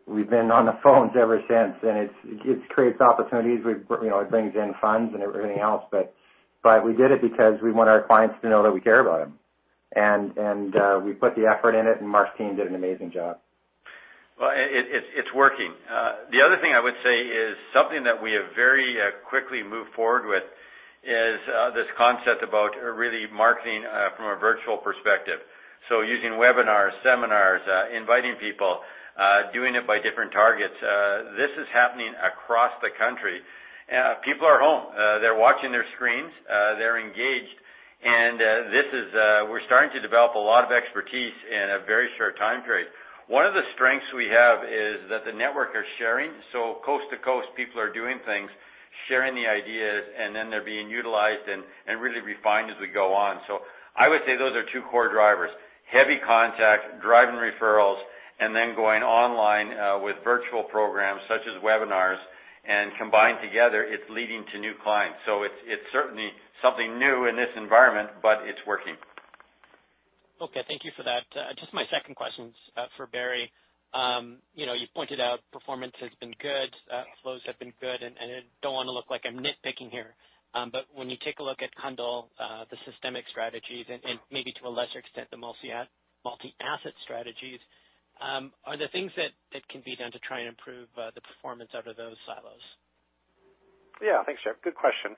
we've been on the phones ever since, and it creates opportunities. You know, it brings in funds and everything else, but we did it because we want our clients to know that we care about them. And we put the effort in it, and Mark's team did an amazing job. Well, it's working. The other thing I would say is something that we have very quickly moved forward with is this concept about really marketing from a virtual perspective. So using webinars, seminars, inviting people, doing it by different targets. This is happening across the country. People are home. They're watching their screens, they're engaged, and this is... We're starting to develop a lot of expertise in a very short time period. One of the strengths we have is that the network are sharing, so coast to coast, people are doing things, sharing the ideas, and then they're being utilized and really refined as we go on. So I would say those are two core drivers, heavy contact driving referrals, and then going online with virtual programs such as webinars, and combined together, it's leading to new clients. So it's certainly something new in this environment, but it's working. Okay. Thank you for that. Just my second question for Barry. You know, you've pointed out performance has been good, flows have been good, and I don't want to look like I'm nitpicking here. But when you take a look at Cundill, the systemic strategies and maybe to a lesser extent the multi-asset strategies, are there things that can be done to try and improve the performance out of those silos? Yeah. Thanks, Jeff. Good question.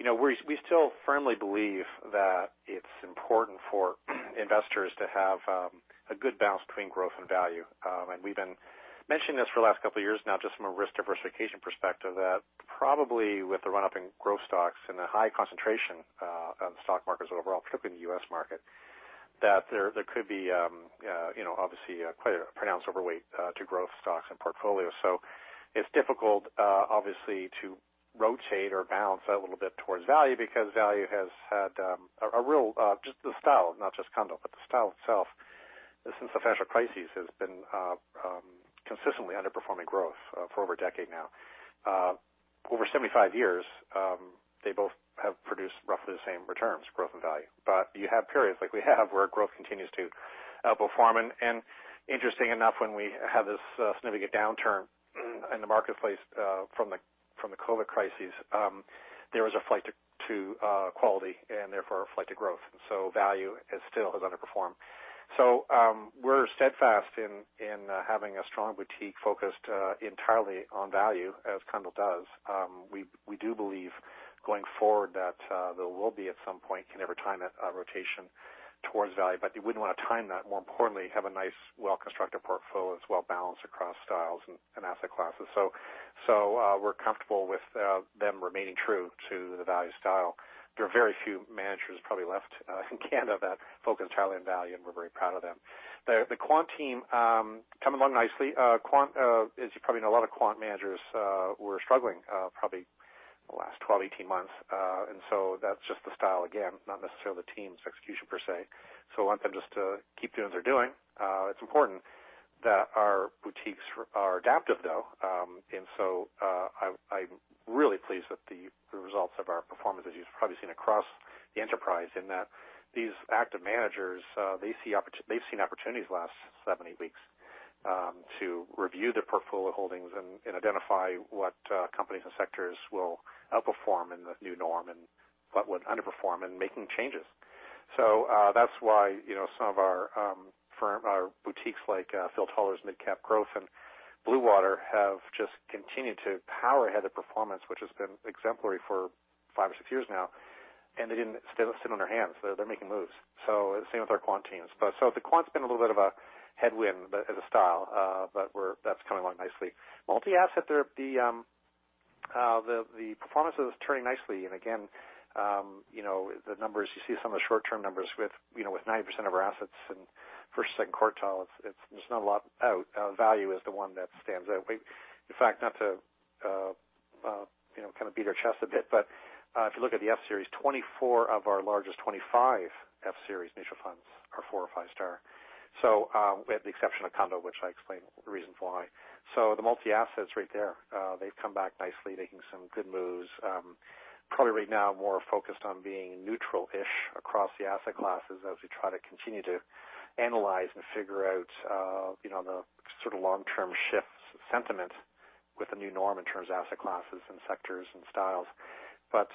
You know, we still firmly believe that it's important for investors to have a good balance between growth and value. And we've been mentioning this for the last couple of years now, just from a risk diversification perspective, that probably with the run-up in growth stocks and the high concentration of the stock markets overall, particularly in the U.S. market, that there could be, you know, obviously a quite pronounced overweight to growth stocks and portfolios. So it's difficult, obviously, to rotate or balance that a little bit towards value, because value has had a real just the style, not just Cundill, but the style itself, since the financial crisis, has been consistently underperforming growth for over a decade now. Over 75 years, they both have produced roughly the same returns, growth and value. But you have periods like we have, where growth continues to perform. And interesting enough, when we had this significant downturn in the marketplace, from the COVID crisis, there was a flight to quality and therefore a flight to growth. So value is still has underperformed. So, we're steadfast in having a strong boutique focused entirely on value, as Cundill does. We do believe going forward that there will be at some point, can ever time a rotation towards value, but you wouldn't want to time that. More importantly, have a nice, well-constructed portfolio that's well-balanced across styles and asset classes. So, we're comfortable with them remaining true to the value style. There are very few managers probably left in Canada that focus entirely on value, and we're very proud of them. The quant team coming along nicely. Quant, as you probably know, a lot of quant managers were struggling probably the last 12-18 months. And so that's just the style again, not necessarily the team's execution per se. So I want them just to keep doing what they're doing. It's important that our boutiques are adaptive, though. and so, I’m really pleased with the results of our performance, as you’ve probably seen across the enterprise, in that these active managers, they’ve seen opportunities the last 7, 8 weeks, to review their portfolio holdings and identify what companies and sectors will outperform in the new norm and what would underperform and making changes. So, that’s why, you know, some of our our boutiques, like Phil Taller’s Mid Cap Growth and Bluewater, have just continued to power ahead of performance, which has been exemplary for 5 or 6 years now, and they didn’t sit on their hands. They’re making moves. So same with our quant teams. But so the quant’s been a little bit of a headwind, but as a style, but that’s coming along nicely. Multi-asset, they're the performance is turning nicely. And again, you know, the numbers, you see some of the short-term numbers with, you know, with 90% of our assets in first, second quartile, it's, there's not a lot out. Value is the one that stands out. We- in fact, not to, you know, kind of beat our chest a bit, but, if you look at the F series, 24 of our largest 25 F series mutual funds are four- or five-star. So, with the exception of Cundill, which I explained the reasons why. So the multi-assets right there, they've come back nicely, making some good moves. Probably right now more focused on being neutral-ish across the asset classes as we try to continue to analyze and figure out, you know, the sort of long-term shifts in sentiment with the new norm in terms of asset classes and sectors and styles. But,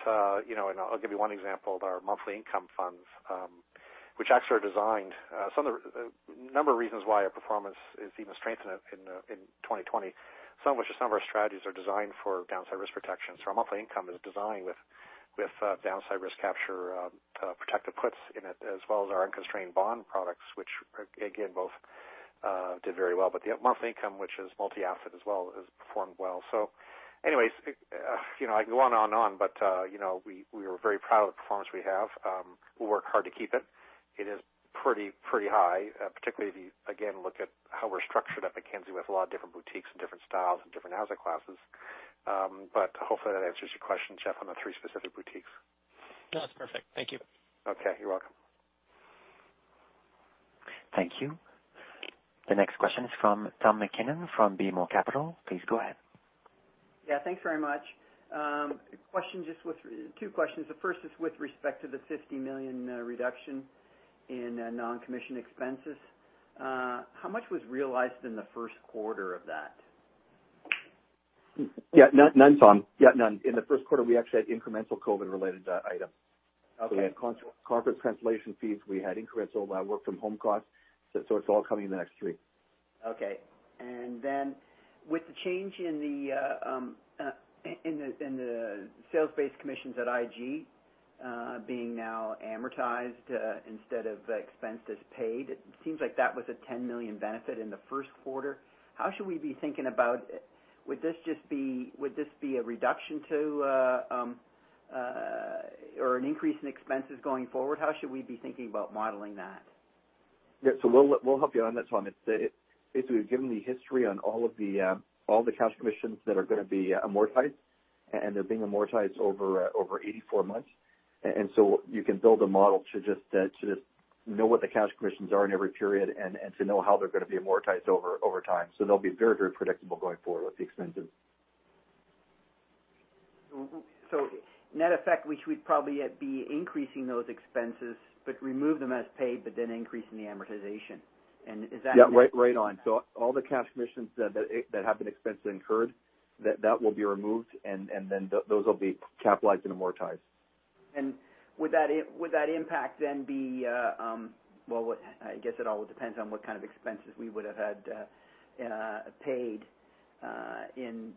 you know, and I'll give you one example of our monthly income funds, which actually are designed a number of reasons why our performance is even strengthened in 2020, some, which some of our strategies are designed for downside risk protection. So our monthly income is designed with downside risk capture, protective puts in it, as well as our unconstrained bond products, which again, both did very well. But the monthly income, which is multi-asset as well, has performed well. So anyways, you know, I can go on and on, but you know, we are very proud of the performance we have. We'll work hard to keep it. It is pretty, pretty high, particularly if you again look at how we're structured at Mackenzie with a lot of different boutiques and different styles and different asset classes. But hopefully that answers your question, Jeff, on the three specific boutiques. No, that's perfect. Thank you. Okay, you're welcome. Thank you. The next question is from Tom MacKinnon from BMO Capital. Please go ahead. Yeah, thanks very much. A question just with... Two questions. The first is with respect to the $50 million reduction in non-commission expenses. How much was realized in the first quarter of that? Yeah, none, Tom. Yeah, none. In the first quarter, we actually had incremental COVID-related item. Okay. We had conference translation fees. We had incremental work from home costs. So it's all coming in the next three. Okay. And then with the change in the sales-based commissions at IG, being now amortized, instead of expensed as paid, it seems like that was a $10 million benefit in the first quarter. How should we be thinking about... Would this just be, would this be a reduction to, or an increase in expenses going forward? How should we be thinking about modeling that? Yeah, so we'll, we'll help you on that, Tom. It's, it, basically, given the history on all of the, all the cash commissions that are gonna be amortized, and they're being amortized over, over 84 months. And so you can build a model to just, to just know what the cash commissions are in every period, and, and to know how they're gonna be amortized over, over time. So they'll be very, very predictable going forward with the expenses. So, net effect, we should probably be increasing those expenses, but remove them as paid, but then increasing the amortization. And is that- Yeah, right, right on. So all the cash commissions that have been expensed and incurred, that will be removed, and then those will be capitalized and amortized. Would that impact then be? Well, I guess it all depends on what kind of expenses we would have had paid in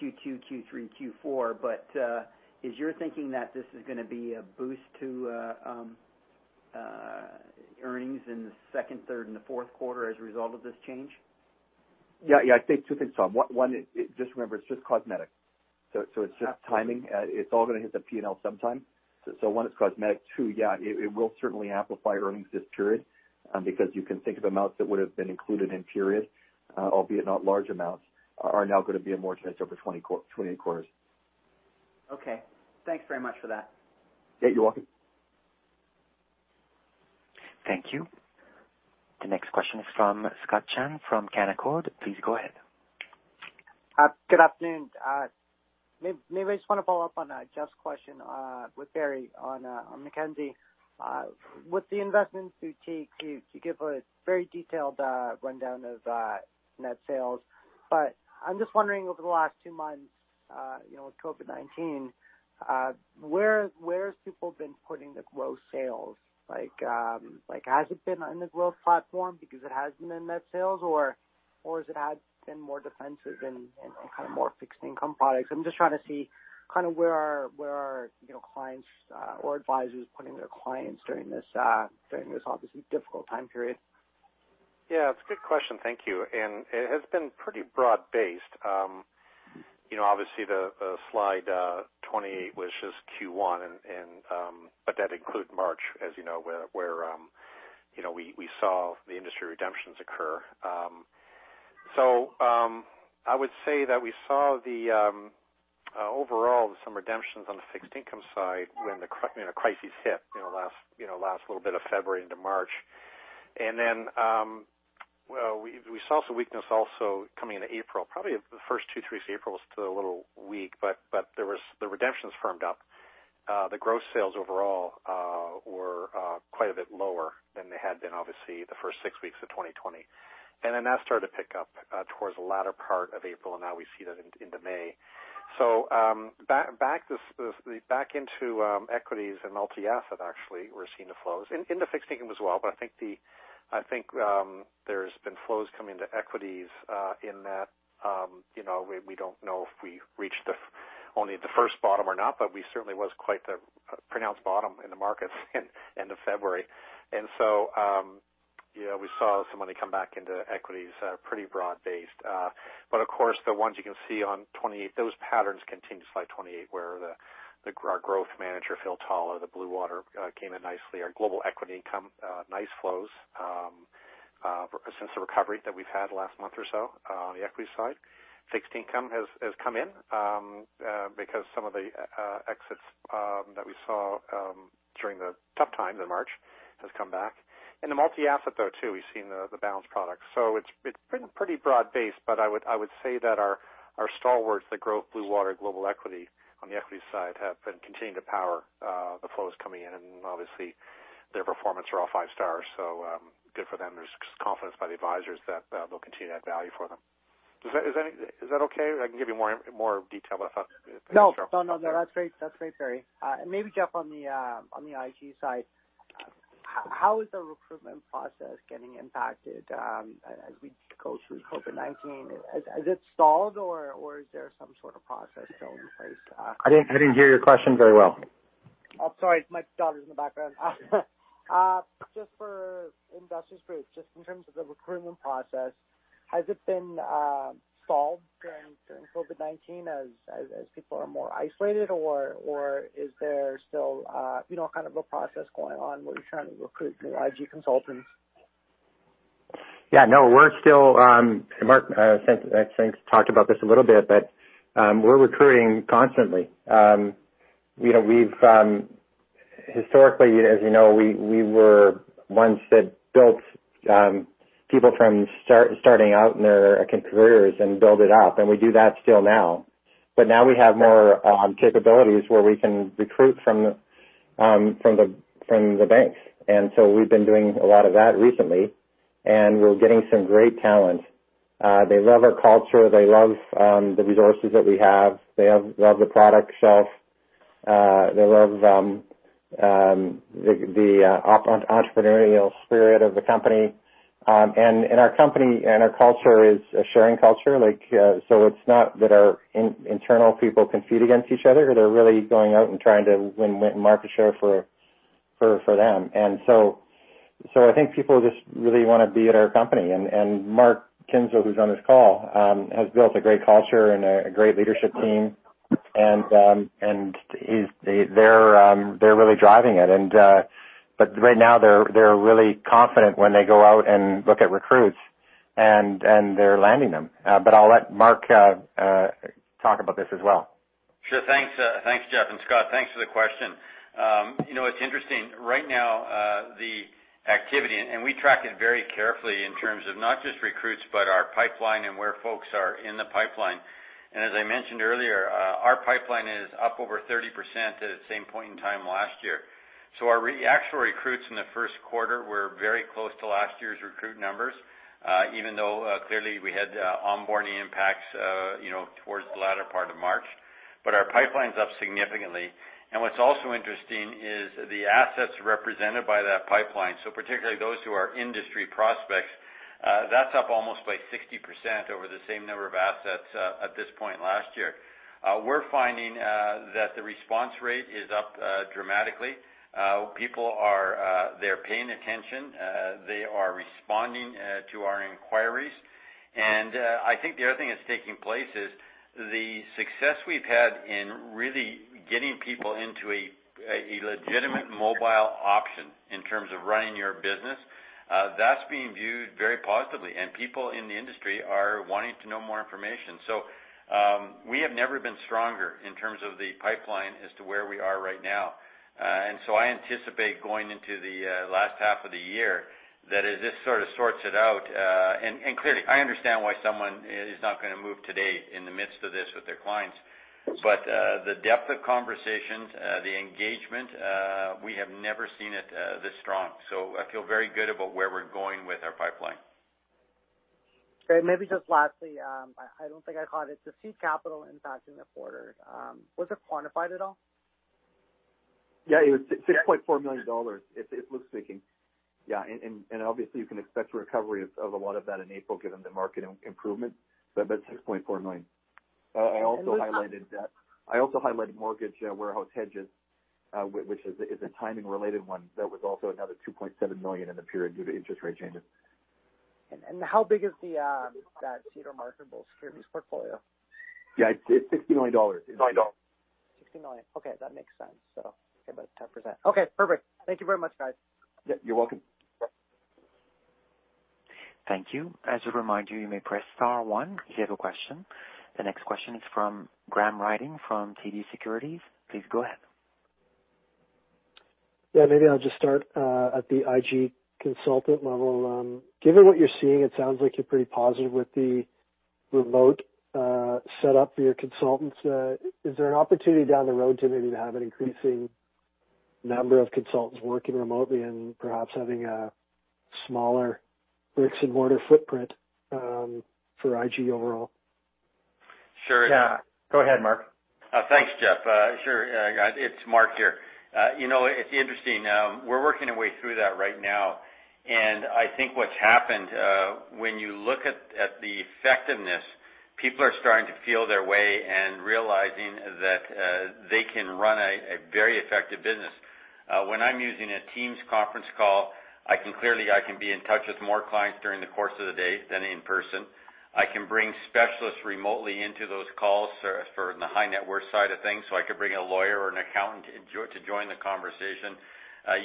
Q2, Q3, Q4. But is your thinking that this is gonna be a boost to earnings in the second, third, and the fourth quarter as a result of this change? Yeah. Yeah. I'd say two things, Tom. One, just remember, it's just cosmetic. So, it's just timing. Yeah. It's all gonna hit the P&L sometime. So, so one, it's cosmetic. Two, yeah, it, it will certainly amplify earnings this period, because you can think of amounts that would've been included in period, albeit not large amounts, are now gonna be amortized over 20 quar- 28 quarters. Okay. Thanks very much for that. Yeah, you're welcome. Thank you. The next question is from Scott Chan from Canaccord. Please go ahead. Good afternoon. Maybe I just want to follow up on Jeff's question with Barry on Mackenzie. With the investment boutiques, you give a very detailed rundown of net sales, but I'm just wondering, over the last two months, you know, with COVID-19, where have people been putting the growth sales? Like, has it been on the growth platform because it has been in net sales, or has it had been more defensive and kind of more fixed income products? I'm just trying to see kind of where are clients or advisors putting their clients during this obviously difficult time period? Yeah, it's a good question. Thank you. And it has been pretty broad-based. You know, obviously, the slide 28, which is Q1, and but that includes March, as you know, where you know, we saw the industry redemptions occur. ...So, I would say that we saw the overall some redemptions on the fixed income side when the crisis hit, you know, last, you know, last little bit of February into March. And then, well, we saw some weakness also coming into April. Probably the first two, three weeks of April was still a little weak, but there was—the redemptions firmed up. The gross sales overall were quite a bit lower than they had been, obviously, the first six weeks of 2020. And then that started to pick up towards the latter part of April, and now we see that into May. So, back into equities and multi-asset actually, we're seeing the flows. In the fixed income as well, but I think, I think, there's been flows coming to equities, in that, you know, we, we don't know if we reached the, only the first bottom or not, but we certainly was quite the pronounced bottom in the markets in end of February. And so, yeah, we saw some money come back into equities, pretty broad-based. But of course, the ones you can see on 28, those patterns continue to slide 28, where the, our growth manager, Phil Taller, the Bluewater, came in nicely. Our global equity income, nice flows, since the recovery that we've had last month or so, on the equity side. Fixed income has come in, because some of the exits that we saw during the tough times in March has come back. In the multi-asset though, too, we've seen the balance products. So it's been pretty broad-based, but I would say that our stalwarts, the growth Bluewater Global Equity on the equity side, have been continuing to power the flows coming in, and obviously their performance are all five stars, so good for them. There's confidence by the advisors that they'll continue to add value for them. Does that... Is any- is that okay? I can give you more in- more detail, but I thought- No. No, no, no, that's great. That's great, Barry. And maybe, Jeff, on the IG side, how is the recruitment process getting impacted as we go through COVID-19? Is it stalled or is there some sort of process still in place? I didn't, I didn't hear your question very well. Oh, sorry. My daughter's in the background. Just for Investors Group, just in terms of the recruitment process, has it been stalled during COVID-19 as people are more isolated? Or is there still, you know, kind of a process going on where you're trying to recruit new IG consultants? Yeah, no, we're still, and Mark said, I think talked about this a little bit, but, we're recruiting constantly. You know, we've historically, as you know, we, we were ones that built, people from starting out in their careers and build it up, and we do that still now. But now we have more capabilities where we can recruit from the banks, and so we've been doing a lot of that recently, and we're getting some great talent. They love our culture. They love the resources that we have. They love the product shelf. They love the entrepreneurial spirit of the company. And our company and our culture is a sharing culture, like, so it's not that our internal people compete against each other. They're really going out and trying to win market share for them. So I think people just really wanna be at our company. And Mark Kinzel, who's on this call, has built a great culture and a great leadership team. And they’re really driving it. But right now, they're really confident when they go out and look at recruits, and they're landing them. But I'll let Mark talk about this as well. Sure. Thanks, thanks, Jeff and Scott. Thanks for the question. You know, it's interesting. Right now, the activity, and we track it very carefully in terms of not just recruits, but our pipeline and where folks are in the pipeline. And as I mentioned earlier, our pipeline is up over 30% at the same point in time last year. So our actual recruits in the first quarter were very close to last year's recruit numbers, even though clearly we had onboarding impacts, you know, towards the latter part of March. But our pipeline's up significantly. And what's also interesting is the assets represented by that pipeline, so particularly those who are industry prospects, that's up almost by 60% over the same number of assets at this point last year. We're finding that the response rate is up dramatically. People are, they're paying attention, they are responding to our inquiries. And, I think the other thing that's taking place is the success we've had in really getting people into a legitimate mobile option in terms of running your business, that's being viewed very positively, and people in the industry are wanting to know more information. So, we have never been stronger in terms of the pipeline as to where we are right now. And so I anticipate going into the last half of the year, that as this sort of sorts it out... And, clearly, I understand why someone is not gonna move today in the midst of this with their clients. The depth of conversations, the engagement, we have never seen it this strong. I feel very good about where we're going with our pipeline. Maybe just lastly, I don't think I caught it, the seed capital impact in the quarter, was it quantified at all? Yeah, it was $6.4 million. It looks lacking. Yeah, and obviously you can expect recovery of a lot of that in April, given the market improvement, but $6.4 million. I also highlighted mortgage warehouse hedges, which is a timing-related one. That was also another $2.7 million in the period due to interest rate changes. How big is that cedar marketable securities portfolio? Yeah, it's, it's 60 million dollars. 60 million.... 60 million. Okay, that makes sense. So about 10%. Okay, perfect. Thank you very much, guys. Yeah, you're welcome. Bye. Thank you. As a reminder, you may press star one if you have a question. The next question is from Graham Ryding from TD Securities. Please go ahead. Yeah, maybe I'll just start at the IG consultant level. Given what you're seeing, it sounds like you're pretty positive with the remote setup for your consultants. Is there an opportunity down the road to maybe have an increasing number of consultants working remotely and perhaps having a smaller bricks and mortar footprint for IG overall? Sure. Yeah, go ahead, Mark. Thanks, Jeff. Sure, it's Mark here. You know, it's interesting, we're working our way through that right now, and I think what's happened, when you look at the effectiveness, people are starting to feel their way and realizing that they can run a very effective business. When I'm using a Teams conference call, I can clearly be in touch with more clients during the course of the day than in person. I can bring specialists remotely into those calls for the high net worth side of things, so I could bring a lawyer or an accountant to join the conversation.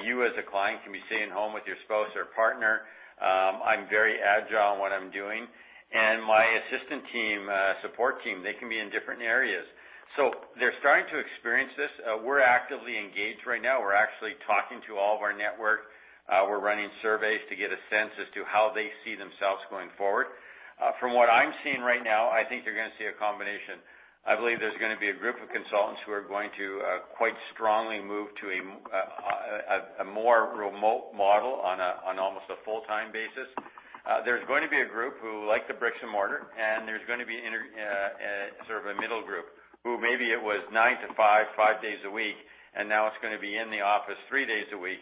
You, as a client, can be sitting home with your spouse or partner. I'm very agile in what I'm doing, and my assistant team, support team, they can be in different areas. They're starting to experience this. We're actively engaged right now. We're actually talking to all of our network. We're running surveys to get a sense as to how they see themselves going forward. From what I'm seeing right now, I think you're gonna see a combination. I believe there's gonna be a group of consultants who are going to quite strongly move to a more remote model on almost a full-time basis. There's going to be a group who like the bricks and mortar, and there's gonna be sort of a middle group, who maybe it was nine to five, five days a week, and now it's gonna be in the office three days a week.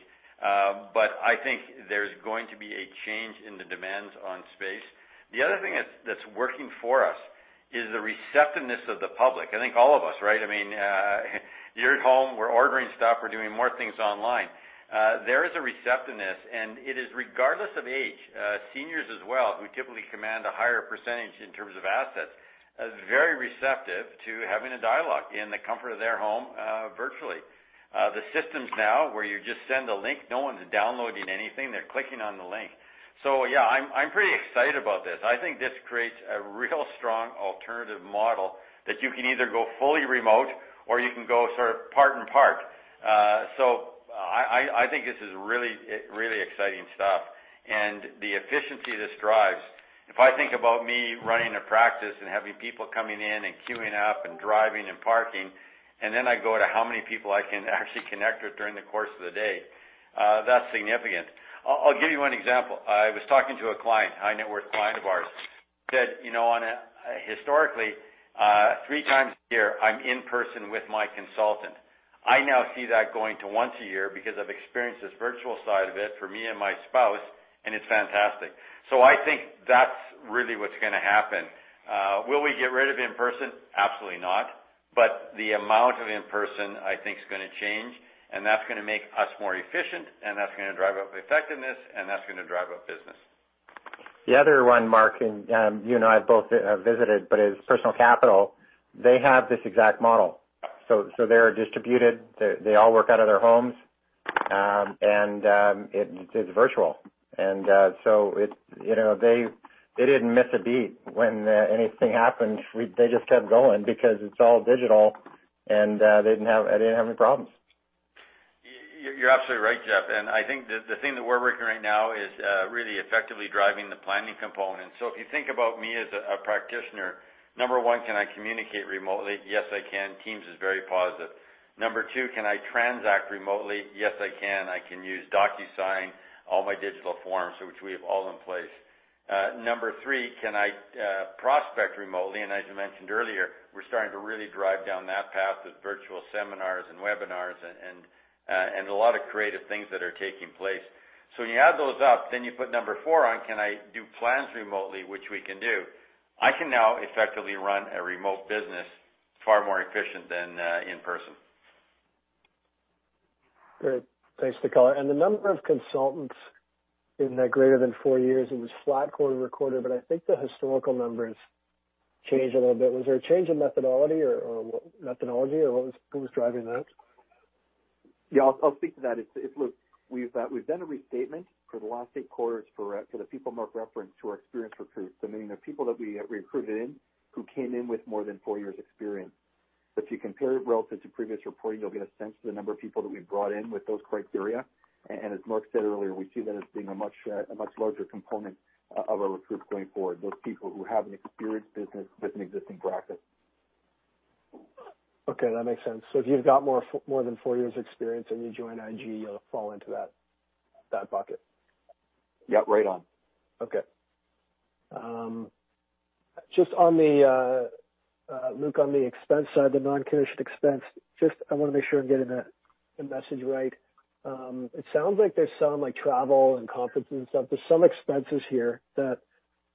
But I think there's going to be a change in the demands on space. The other thing that's working for us is the receptiveness of the public. I think all of us, right? I mean, you're at home, we're ordering stuff, we're doing more things online. There is a receptiveness, and it is regardless of age, seniors as well, who typically command a higher percentage in terms of assets, are very receptive to having a dialogue in the comfort of their home, virtually. The systems now, where you just send a link, no one's downloading anything, they're clicking on the link. So yeah, I'm pretty excited about this. I think this creates a real strong alternative model that you can either go fully remote or you can go sort of part and part. So I think this is really, really exciting stuff. The efficiency this drives, if I think about me running a practice and having people coming in and queuing up and driving and parking, and then I go to how many people I can actually connect with during the course of the day, that's significant. I'll, I'll give you one example. I was talking to a client, a high net worth client of ours, said, "You know, on a historically, three times a year, I'm in person with my consultant. I now see that going to once a year because I've experienced this virtual side of it for me and my spouse, and it's fantastic." So I think that's really what's gonna happen. Will we get rid of in-person? Absolutely not. But the amount of in-person, I think, is gonna change, and that's gonna make us more efficient, and that's gonna drive up effectiveness, and that's gonna drive up business. The other one, Mark, you and I have both visited, but is Personal Capital. They have this exact model. So they're distributed, they all work out of their homes, and it's virtual. So it's, you know, they didn't miss a beat when anything happened. They just kept going because it's all digital, and they didn't have any problems. You're absolutely right, Jeff, and I think the thing that we're working right now is really effectively driving the planning component. So if you think about me as a practitioner, number one, can I communicate remotely? Yes, I can. Teams is very positive. Number two, can I transact remotely? Yes, I can. I can use DocuSign, all my digital forms, which we have all in place. Number three, can I prospect remotely? And as you mentioned earlier, we're starting to really drive down that path with virtual seminars and webinars and a lot of creative things that are taking place. So when you add those up, then you put number four on, Can I do plans remotely? Which we can do. I can now effectively run a remote business far more efficient than in person. Great. Thanks for the color. The number of consultants in that greater than four years, it was flat quarter-over-quarter, but I think the historical numbers changed a little bit. Was there a change in methodology or what was driving that? Yeah, I'll speak to that. It's. Luke, we've done a restatement for the last eight quarters for the people Mark referenced, who are experienced recruits, so meaning the people that we recruited in, who came in with more than four years experience. If you compare it relative to previous reporting, you'll get a sense of the number of people that we've brought in with those criteria. And as Mark said earlier, we see that as being a much larger component of our recruits going forward, those people who have an experienced business with an existing practice. Okay, that makes sense. So if you've got more than four years experience and you join IG, you'll fall into that, that bucket? Yep, right on. Okay. Just on the, Luke, on the expense side, the non-cash expense, just I wanna make sure I'm getting the message right. It sounds like there's some, like, travel and conferences and stuff. There's some expenses here that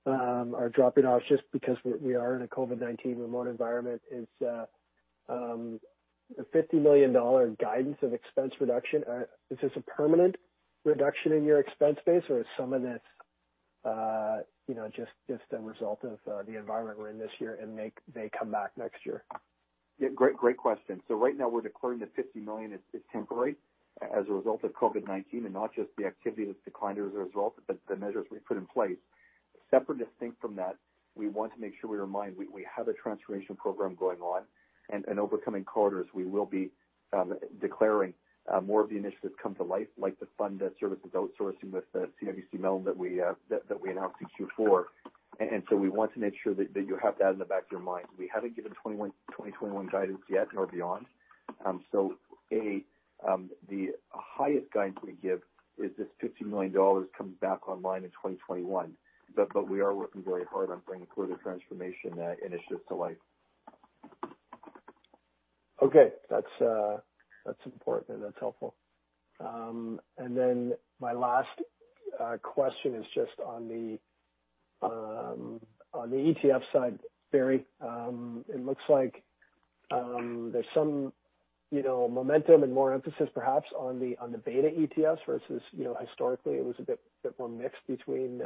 are dropping off just because we are in a COVID-19 remote environment. Is the 50 million dollar guidance of expense reduction a permanent reduction in your expense base, or is some of this you know, just a result of the environment we're in this year, and they come back next year? Yeah, great, great question. So right now, we're declaring the 50 million is temporary as a result of COVID-19, and not just the activity that's declined as a result, but the measures we put in place. Separate and distinct from that, we want to make sure we remind you that we have a transformation program going on, and over coming quarters, we will be declaring more of the initiatives come to life, like the fund services outsourcing with the CIBC Mellon that we announced in Q4. And so we want to make sure that you have that in the back of your mind. We haven't given 2021 guidance yet, nor beyond. So the highest guidance we give is this 50 million dollars coming back online in 2021. But we are working very hard on bringing further transformation initiatives to life. Okay. That's, that's important. That's helpful. And then my last question is just on the, on the ETF side, Barry. It looks like, there's some, you know, momentum and more emphasis perhaps on the, on the beta ETFs versus, you know, historically it was a bit, bit more mixed between,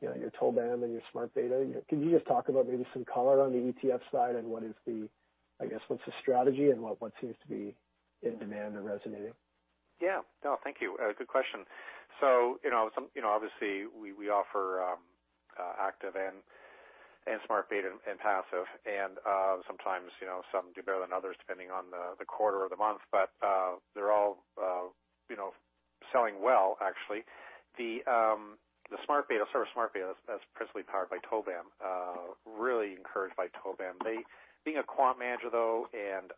you know, your TOBAM and your Smart Beta. Can you just talk about maybe some color on the ETF side and what is the... I guess, what's the strategy and what, what seems to be in demand or resonating? Yeah. No, thank you. Good question. So, you know, you know, obviously, we offer active and Smart Beta and passive. And, sometimes, you know, some do better than others, depending on the quarter or the month. But, they're all, you know, selling well, actually. The Smart Beta, sort of Smart Beta, is principally powered by TOBAM, really encouraged by TOBAM. They, being a quant manager, though, and,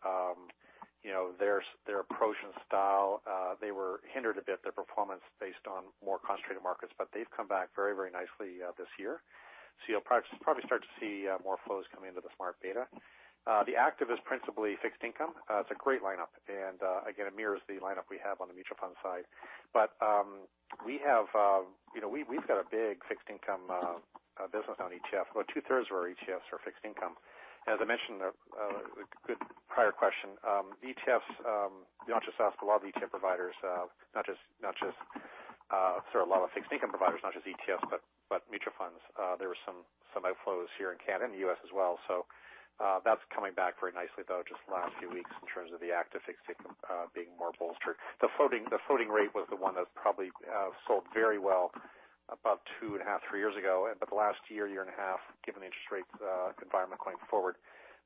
you know, their approach and style, they were hindered a bit, their performance, based on more concentrated markets. But they've come back very, very nicely, this year. So you'll probably start to see more flows coming into the Smart Beta. The active is principally fixed income. It's a great lineup, and again, it mirrors the lineup we have on the mutual fund side. But we have, you know, we, we've got a big fixed income business on ETF. About two-thirds of our ETFs are fixed income. As I mentioned, a good prior question, ETFs, you don't just ask a lot of ETF providers, not just, not just sort of a lot of fixed income providers, not just ETFs, but mutual funds. There were some outflows here in Canada and the U.S. as well. So that's coming back very nicely, though, just the last few weeks in terms of the active fixed income being more bolstered. The floating rate was the one that probably sold very well about 2.5-3 years ago. But the last year, year and a half, given the interest rates, environment going forward,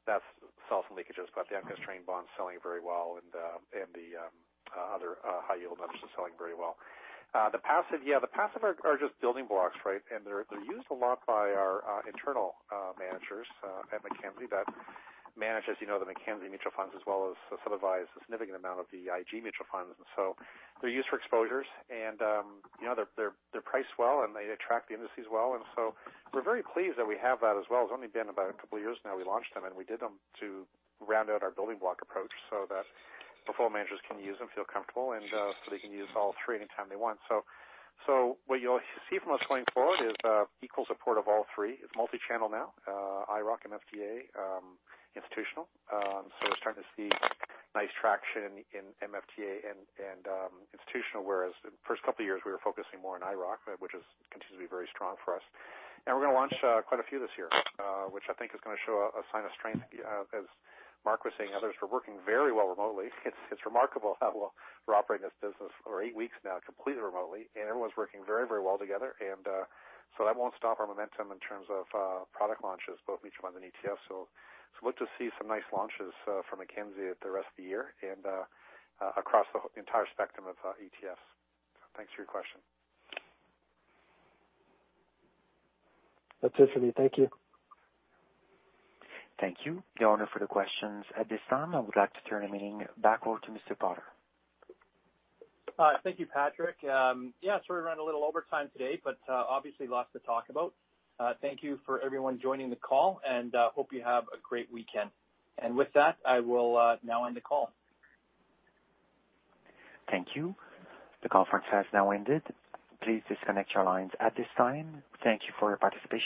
that's saw some leakages. But the constrained bonds selling very well, and the other high yield numbers are selling very well. The passive, yeah, the passive are just building blocks, right? And they're used a lot by our internal managers at Mackenzie that manage, as you know, the Mackenzie Mutual Funds, as well as otherwise, a significant amount of the IG mutual funds. And so they're used for exposures, and you know, they're priced well, and they attract the indices well. And so we're very pleased that we have that as well. It's only been about a couple of years now we launched them, and we did them to round out our building block approach so that the portfolio managers can use them, feel comfortable, and so they can use all three anytime they want. So what you'll see from us going forward is equal support of all three. It's multi-channel now, IIROC and MFDA, institutional. So we're starting to see nice traction in MFDA and institutional, whereas the first couple of years we were focusing more on IIROC, which continues to be very strong for us. And we're gonna launch quite a few this year, which I think is gonna show a sign of strength. As Mark was saying, others, we're working very well remotely. It's remarkable how well we're operating this business for eight weeks now, completely remotely, and everyone's working very, very well together. And so that won't stop our momentum in terms of product launches, both mutual funds and ETFs. So look to see some nice launches from Mackenzie the rest of the year and across the whole entire spectrum of ETFs. Thanks for your question. That's it for me. Thank you. Thank you. We are done for the questions at this time. I would like to turn the meeting back over to Mr. Potter. Thank you, Patrick. Yeah, sorry, we ran a little overtime today, but obviously lots to talk about. Thank you for everyone joining the call, and hope you have a great weekend. With that, I will now end the call. Thank you. The conference has now ended. Please disconnect your lines at this time. Thank you for your participation.